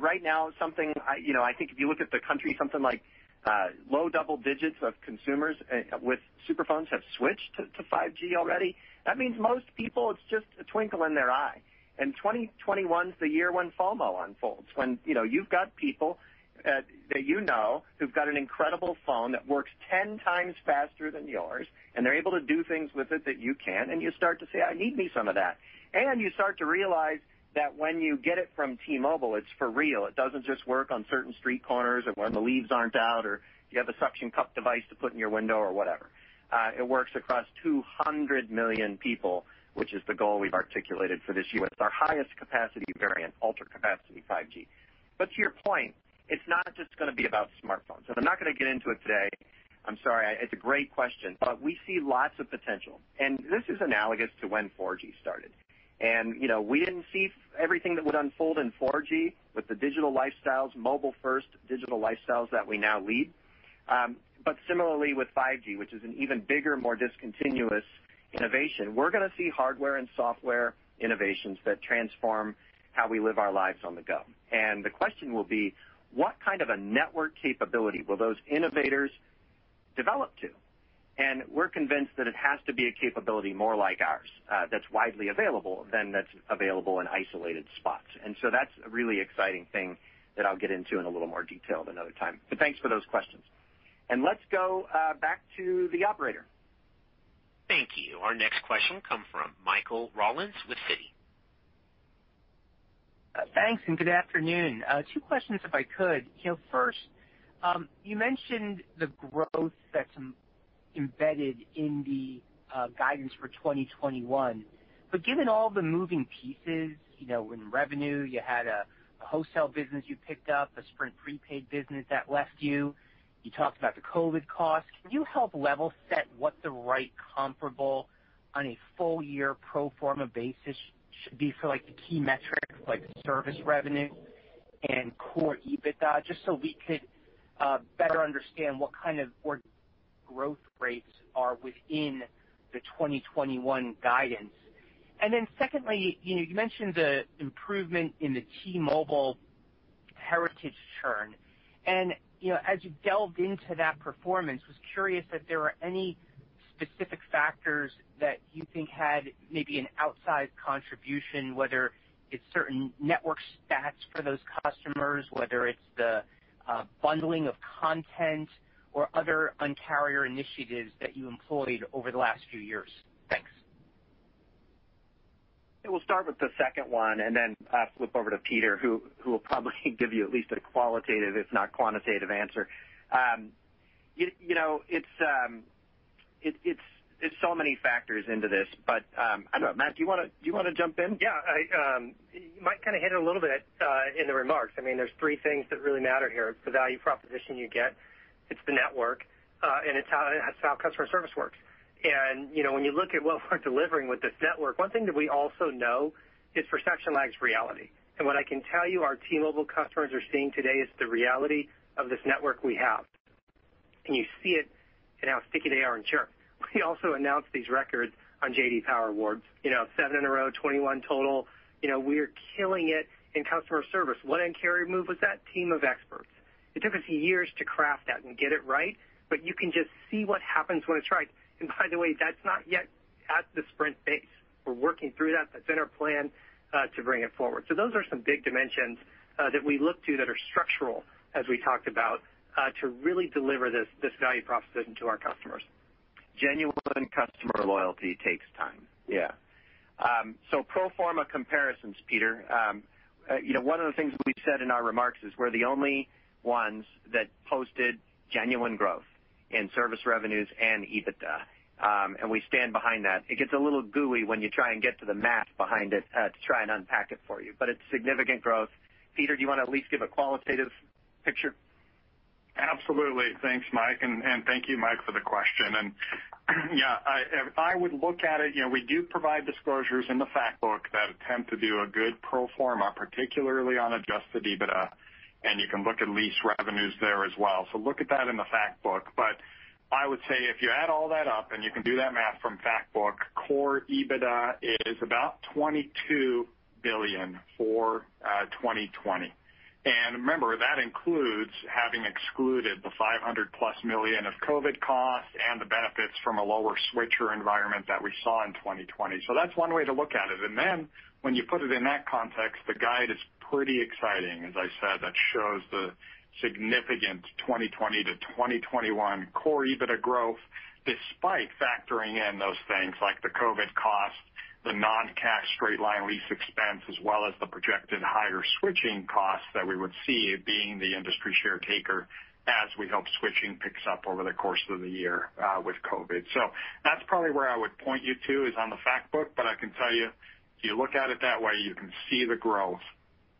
Right now, I think if you look at the country, something like low double digits of consumers with super phones have switched to 5G already. That means most people, it's just a twinkle in their eye. 2021's the year when FOMO unfolds, when you've got people that you know who've got an incredible phone that works 10x faster than yours, and they're able to do things with it that you can't, and you start to say, I need me some of that. You start to realize that when you get it from T-Mobile, it's for real. It doesn't just work on certain street corners or when the leaves aren't out or you have a suction cup device to put in your window or whatever. It works across 200 million people, which is the goal we've articulated for this year with our highest capacity variant, Ultra Capacity 5G. To your point, it's not just going to be about smartphones. I'm not going to get into it today. I'm sorry. It's a great question, but we see lots of potential. This is analogous to when 4G started. We didn't see everything that would unfold in 4G with the digital lifestyles, mobile first digital lifestyles that we now lead. Similarly with 5G, which is an even bigger, more discontinuous innovation, we're going to see hardware and software innovations that transform how we live our lives on the go. The question will be, what kind of a network capability will those innovators develop to? We're convinced that it has to be a capability more like ours that's widely available than that's available in isolated spots. That's a really exciting thing that I'll get into in a little more detail at another time. Thanks for those questions. Let's go back to the operator. Thank you. Our next question come from Michael Rollins with Citi. Thanks and good afternoon. Two questions if I could. First, you mentioned the growth that's embedded in the guidance for 2021. Given all the moving pieces, in revenue, you had a wholesale business you picked up, a Sprint prepaid business that left you. You talked about the COVID cost. Can you help level set what the right comparable on a full-year pro forma basis should be for the key metrics, like service revenue and core EBITDA, just so we could better understand what kind of growth rates are within the 2021 guidance? Secondly, you mentioned the improvement in the T-Mobile heritage churn, and as you delved into that performance, was curious if there were any specific factors that you think had maybe an outsized contribution, whether it's certain network stats for those customers, whether it's the bundling of content or other Un-carrier initiatives that you employed over the last few years. Thanks. We'll start with the second one and then flip over to Peter, who will probably give you at least a qualitative, if not quantitative answer. It's so many factors into this, but I don't know, Matt, do you want to jump in? Yeah. Mike kind of hit it a little bit in the remarks. There's three things that really matter here. The value proposition you get, it's the network, and it's how customer service works. When you look at what we're delivering with this network, one thing that we also know is perception lags reality. What I can tell you our T-Mobile customers are seeing today is the reality of this network we have. You see it in how sticky they are in churn. We also announced these records on J.D. Power Awards, seven in a row, 21 total. We are killing it in customer service. What Un-carrier move was that? Team of Experts. It took us years to craft that and get it right, but you can just see what happens when it's right. By the way, that's not yet at the Sprint base. We're working through that. That's in our plan to bring it forward. Those are some big dimensions that we look to that are structural, as we talked about, to really deliver this value proposition to our customers. Genuine customer loyalty takes time. Yeah. Pro forma comparisons, Peter. One of the things we said in our remarks is we're the only ones that posted genuine growth in service revenues and EBITDA. We stand behind that. It gets a little gooey when you try and get to the math behind it to try and unpack it for you. It's significant growth. Peter, do you want to at least give a qualitative picture? Absolutely. Thanks, Mike. Thank you, Mike, for the question. I would look at it, we do provide disclosures in the Factbook that attempt to do a good pro forma, particularly on adjusted EBITDA, and you can look at lease revenues there as well. Look at that in the Factbook. I would say if you add all that up, and you can do that math from Factbook, core EBITDA is about $22 billion for 2020. Remember, that includes having excluded the $500+ million of COVID costs and the benefits from a lower switcher environment that we saw in 2020. That's one way to look at it. When you put it in that context, the guide is pretty exciting. As I said, that shows the significant 2020 to 2021 core EBITDA growth, despite factoring in those things like the COVID costs, the non-cash straight-line lease expense, as well as the projected higher switching costs that we would see being the industry share taker as we hope switching picks up over the course of the year with COVID. That's probably where I would point you to, is on the Factbook. I can tell you, if you look at it that way, you can see the growth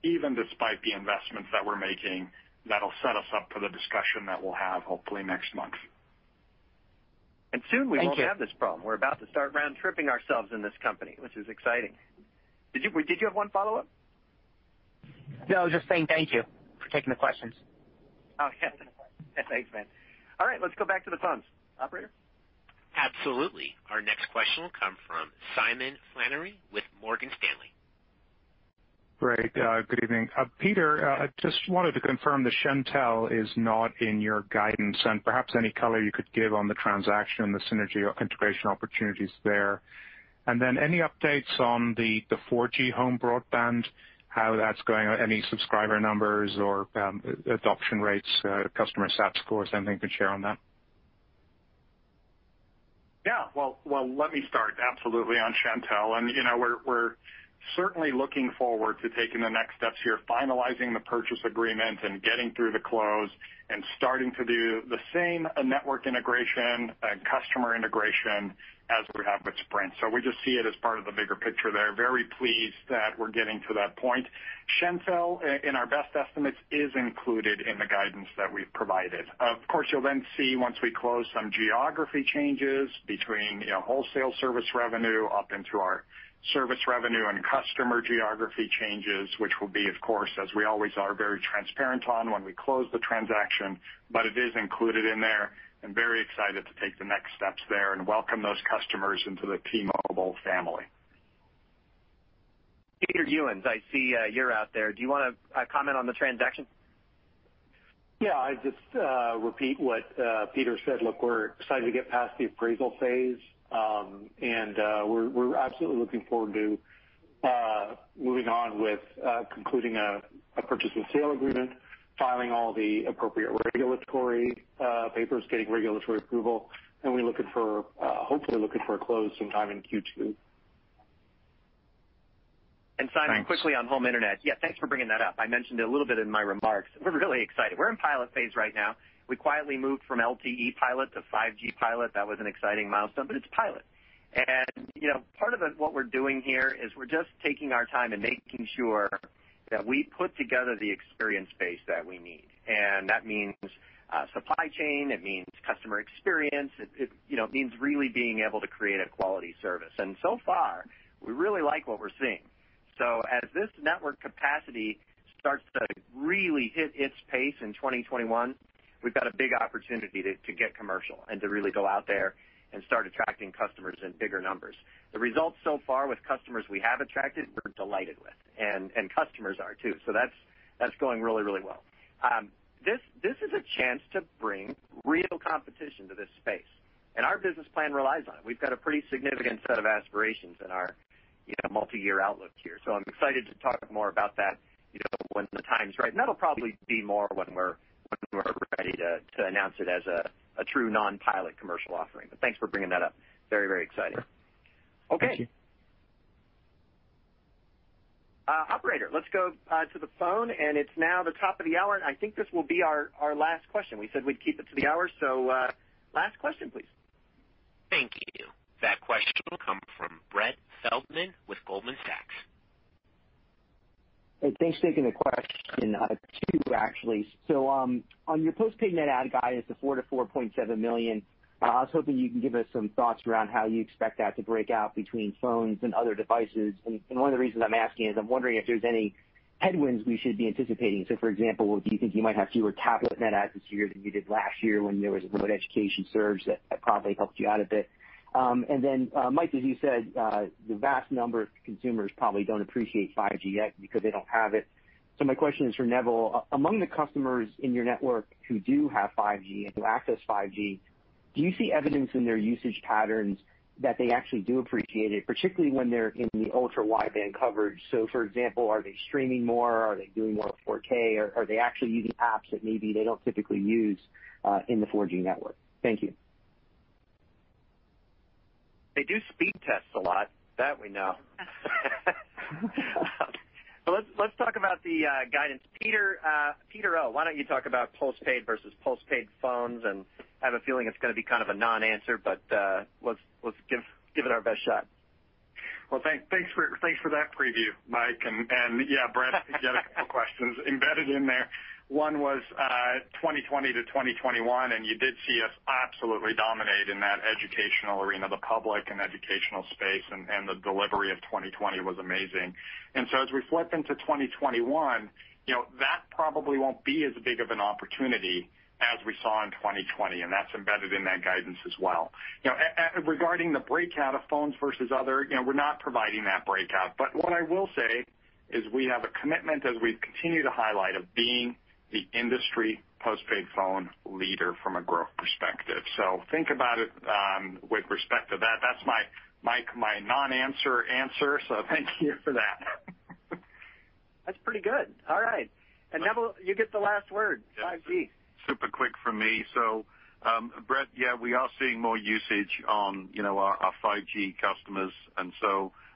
even despite the investments that we're making that'll set us up for the discussion that we'll have hopefully next month. Soon we won't have this problem. We're about to start round-tripping ourselves in this company, which is exciting. Did you have one follow-up? No, I was just saying thank you for taking the questions. Oh, yeah. Thanks, man. All right, let's go back to the phones. Operator? Absolutely. Our next question will come from Simon Flannery with Morgan Stanley. Great. Good evening. Peter, I just wanted to confirm that Shentel is not in your guidance, perhaps any color you could give on the transaction, the synergy or integration opportunities there. Any updates on the 4G home broadband, how that's going, any subscriber numbers or adoption rates, customer sat scores, anything you can share on that? Yeah. Well, let me start absolutely on Shentel. We're certainly looking forward to taking the next steps here, finalizing the purchase agreement and getting through the close and starting to do the same network integration and customer integration as we have with Sprint. We just see it as part of the bigger picture there. Very pleased that we're getting to that point. Shentel, in our best estimates, is included in the guidance that we've provided. Of course, you'll then see once we close some geography changes between wholesale service revenue up into our service revenue and customer geography changes, which will be, of course, as we always are very transparent on when we close the transaction, but it is included in there and very excited to take the next steps there and welcome those customers into the T-Mobile family. Peter Ewens, I see you're out there. Do you want to comment on the transaction? Yeah. I'd just repeat what Peter said. Look, we're excited to get past the appraisal phase, and we're absolutely looking forward to moving on with concluding a purchase and sale agreement, filing all the appropriate regulatory papers, getting regulatory approval. We're hopefully looking for a close sometime in Q2. Simon,- Thanks. quickly on home internet. Yeah, thanks for bringing that up. I mentioned it a little bit in my remarks. We're really excited. We're in pilot phase right now. We quietly moved from LTE pilot to 5G pilot. That was an exciting milestone, it's pilot. Part of what we're doing here is we're just taking our time and making sure that we put together the experience base that we need. That means supply chain, it means customer experience. It means really being able to create a quality service. So far, we really like what we're seeing. As this network capacity starts to really hit its pace in 2021, we've got a big opportunity to get commercial and to really go out there and start attracting customers in bigger numbers. The results so far with customers we have attracted, we're delighted with, and customers are too. That's going really well. This is a chance to bring real competition to this space, and our business plan relies on it. We've got a pretty significant set of aspirations in our multi-year outlook here. I'm excited to talk more about that when the time's right, and that'll probably be more when we're ready to announce it as a true non-pilot commercial offering. Thanks for bringing that up. Very exciting. Sure. Thank you. Okay. Operator, let's go to the phone. It's now the top of the hour. I think this will be our last question. We said we'd keep it to the hour, last question, please. Thank you. That question will come from Brett Feldman with Goldman Sachs. Hey, thanks. Taking the question. Two, actually. On your postpaid net add guidance of 4 million-4.7 million, I was hoping you can give us some thoughts around how you expect that to break out between phones and other devices. One of the reasons I'm asking is I'm wondering if there's any headwinds we should be anticipating. For example, do you think you might have fewer tablet net adds this year than you did last year when there was a remote education surge that probably helped you out a bit? Mike, as you said, the vast number of consumers probably don't appreciate 5G yet because they don't have it. My question is for Neville. Among the customers in your network who do have 5G and who access 5G, do you see evidence in their usage patterns that they actually do appreciate it, particularly when they're in the Ultra Wideband coverage? For example, are they streaming more? Are they doing more 4K? Or are they actually using apps that maybe they don't typically use in the 4G network? Thank you. They do speed tests a lot. That we know. Let's talk about the guidance. Peter O, why don't you talk about postpaid versus postpaid phones, and I have a feeling it's going to be kind of a non-answer, but let's give it our best shot. Thanks for that preview, Mike. Yeah, Brett, you had a couple questions embedded in there. One was 2020 to 2021, you did see us absolutely dominate in that educational arena, the public and educational space, and the delivery of 2020 was amazing. As we flip into 2021, that probably won't be as big of an opportunity as we saw in 2020, and that's embedded in that guidance as well. Regarding the breakout of phones versus other, we're not providing that breakout. What I will say is we have a commitment, as we continue to highlight, of being the industry postpaid phone leader from a growth perspective. Think about it with respect to that. That's, Mike, my non-answer answer, thank you for that. Pretty good. All right. Neville, you get the last word. 5G. Super quick from me. Brett, yeah, we are seeing more usage on our 5G customers,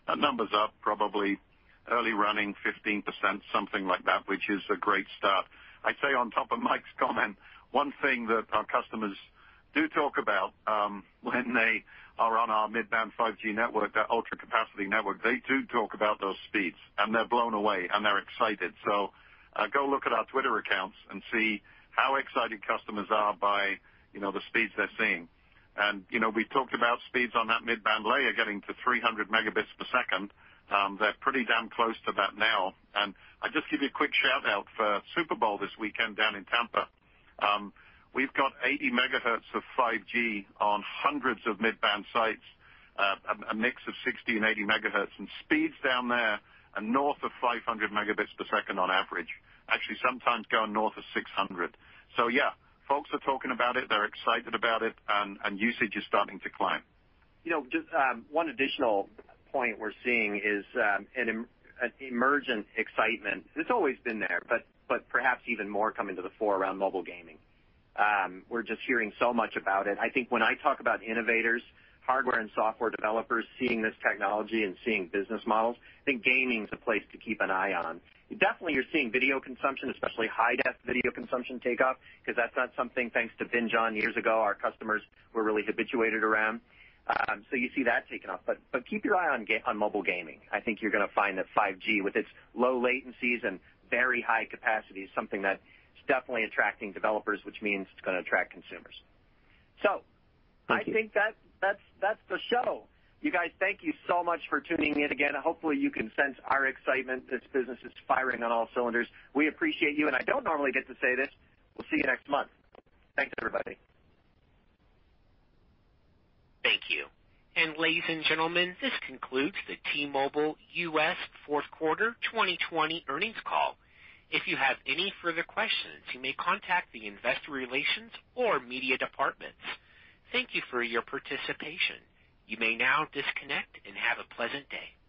our numbers are probably early running 15%, something like that, which is a great start. I'd say on top of Mike's comment, one thing that our customers do talk about when they are on our mid-band 5G network, that Ultra Capacity network, they do talk about those speeds, and they're blown away, and they're excited. Go look at our Twitter accounts and see how excited customers are by the speeds they're seeing. We talked about speeds on that mid-band layer getting to 300 Mbps. They're pretty damn close to that now. I'll just give you a quick shout-out for Super Bowl this weekend down in Tampa. We've got 80 MHz of 5G on hundreds of mid-band sites, a mix of 60 MHz and 80 MHz, and speeds down there are north of 500 Mbps on average. Actually, sometimes going north of 600 Mbps. Yeah, folks are talking about it. They're excited about it, and usage is starting to climb. Just one additional point we're seeing is an emergent excitement. It's always been there, but perhaps even more coming to the fore around mobile gaming. We're just hearing so much about it. I think when I talk about innovators, hardware and software developers seeing this technology and seeing business models, I think gaming is a place to keep an eye on. Definitely, you're seeing video consumption, especially high-def video consumption, take off, because that's not something, thanks to Binge On years ago, our customers were really habituated around. You see that taking off. Keep your eye on mobile gaming. I think you're going to find that 5G, with its low latencies and very high capacity, is something that is definitely attracting developers, which means it's going to attract consumers. Thank you. I think that's the show. You guys, thank you so much for tuning in again, and hopefully, you can sense our excitement. This business is firing on all cylinders. We appreciate you, and I don't normally get to say this, we'll see you next month. Thanks, everybody. Thank you. Ladies and gentlemen, this concludes the T-Mobile US fourth quarter 2020 earnings call. If you have any further questions, you may contact the investor relations or media departments. Thank you for your participation. You may now disconnect and have a pleasant day.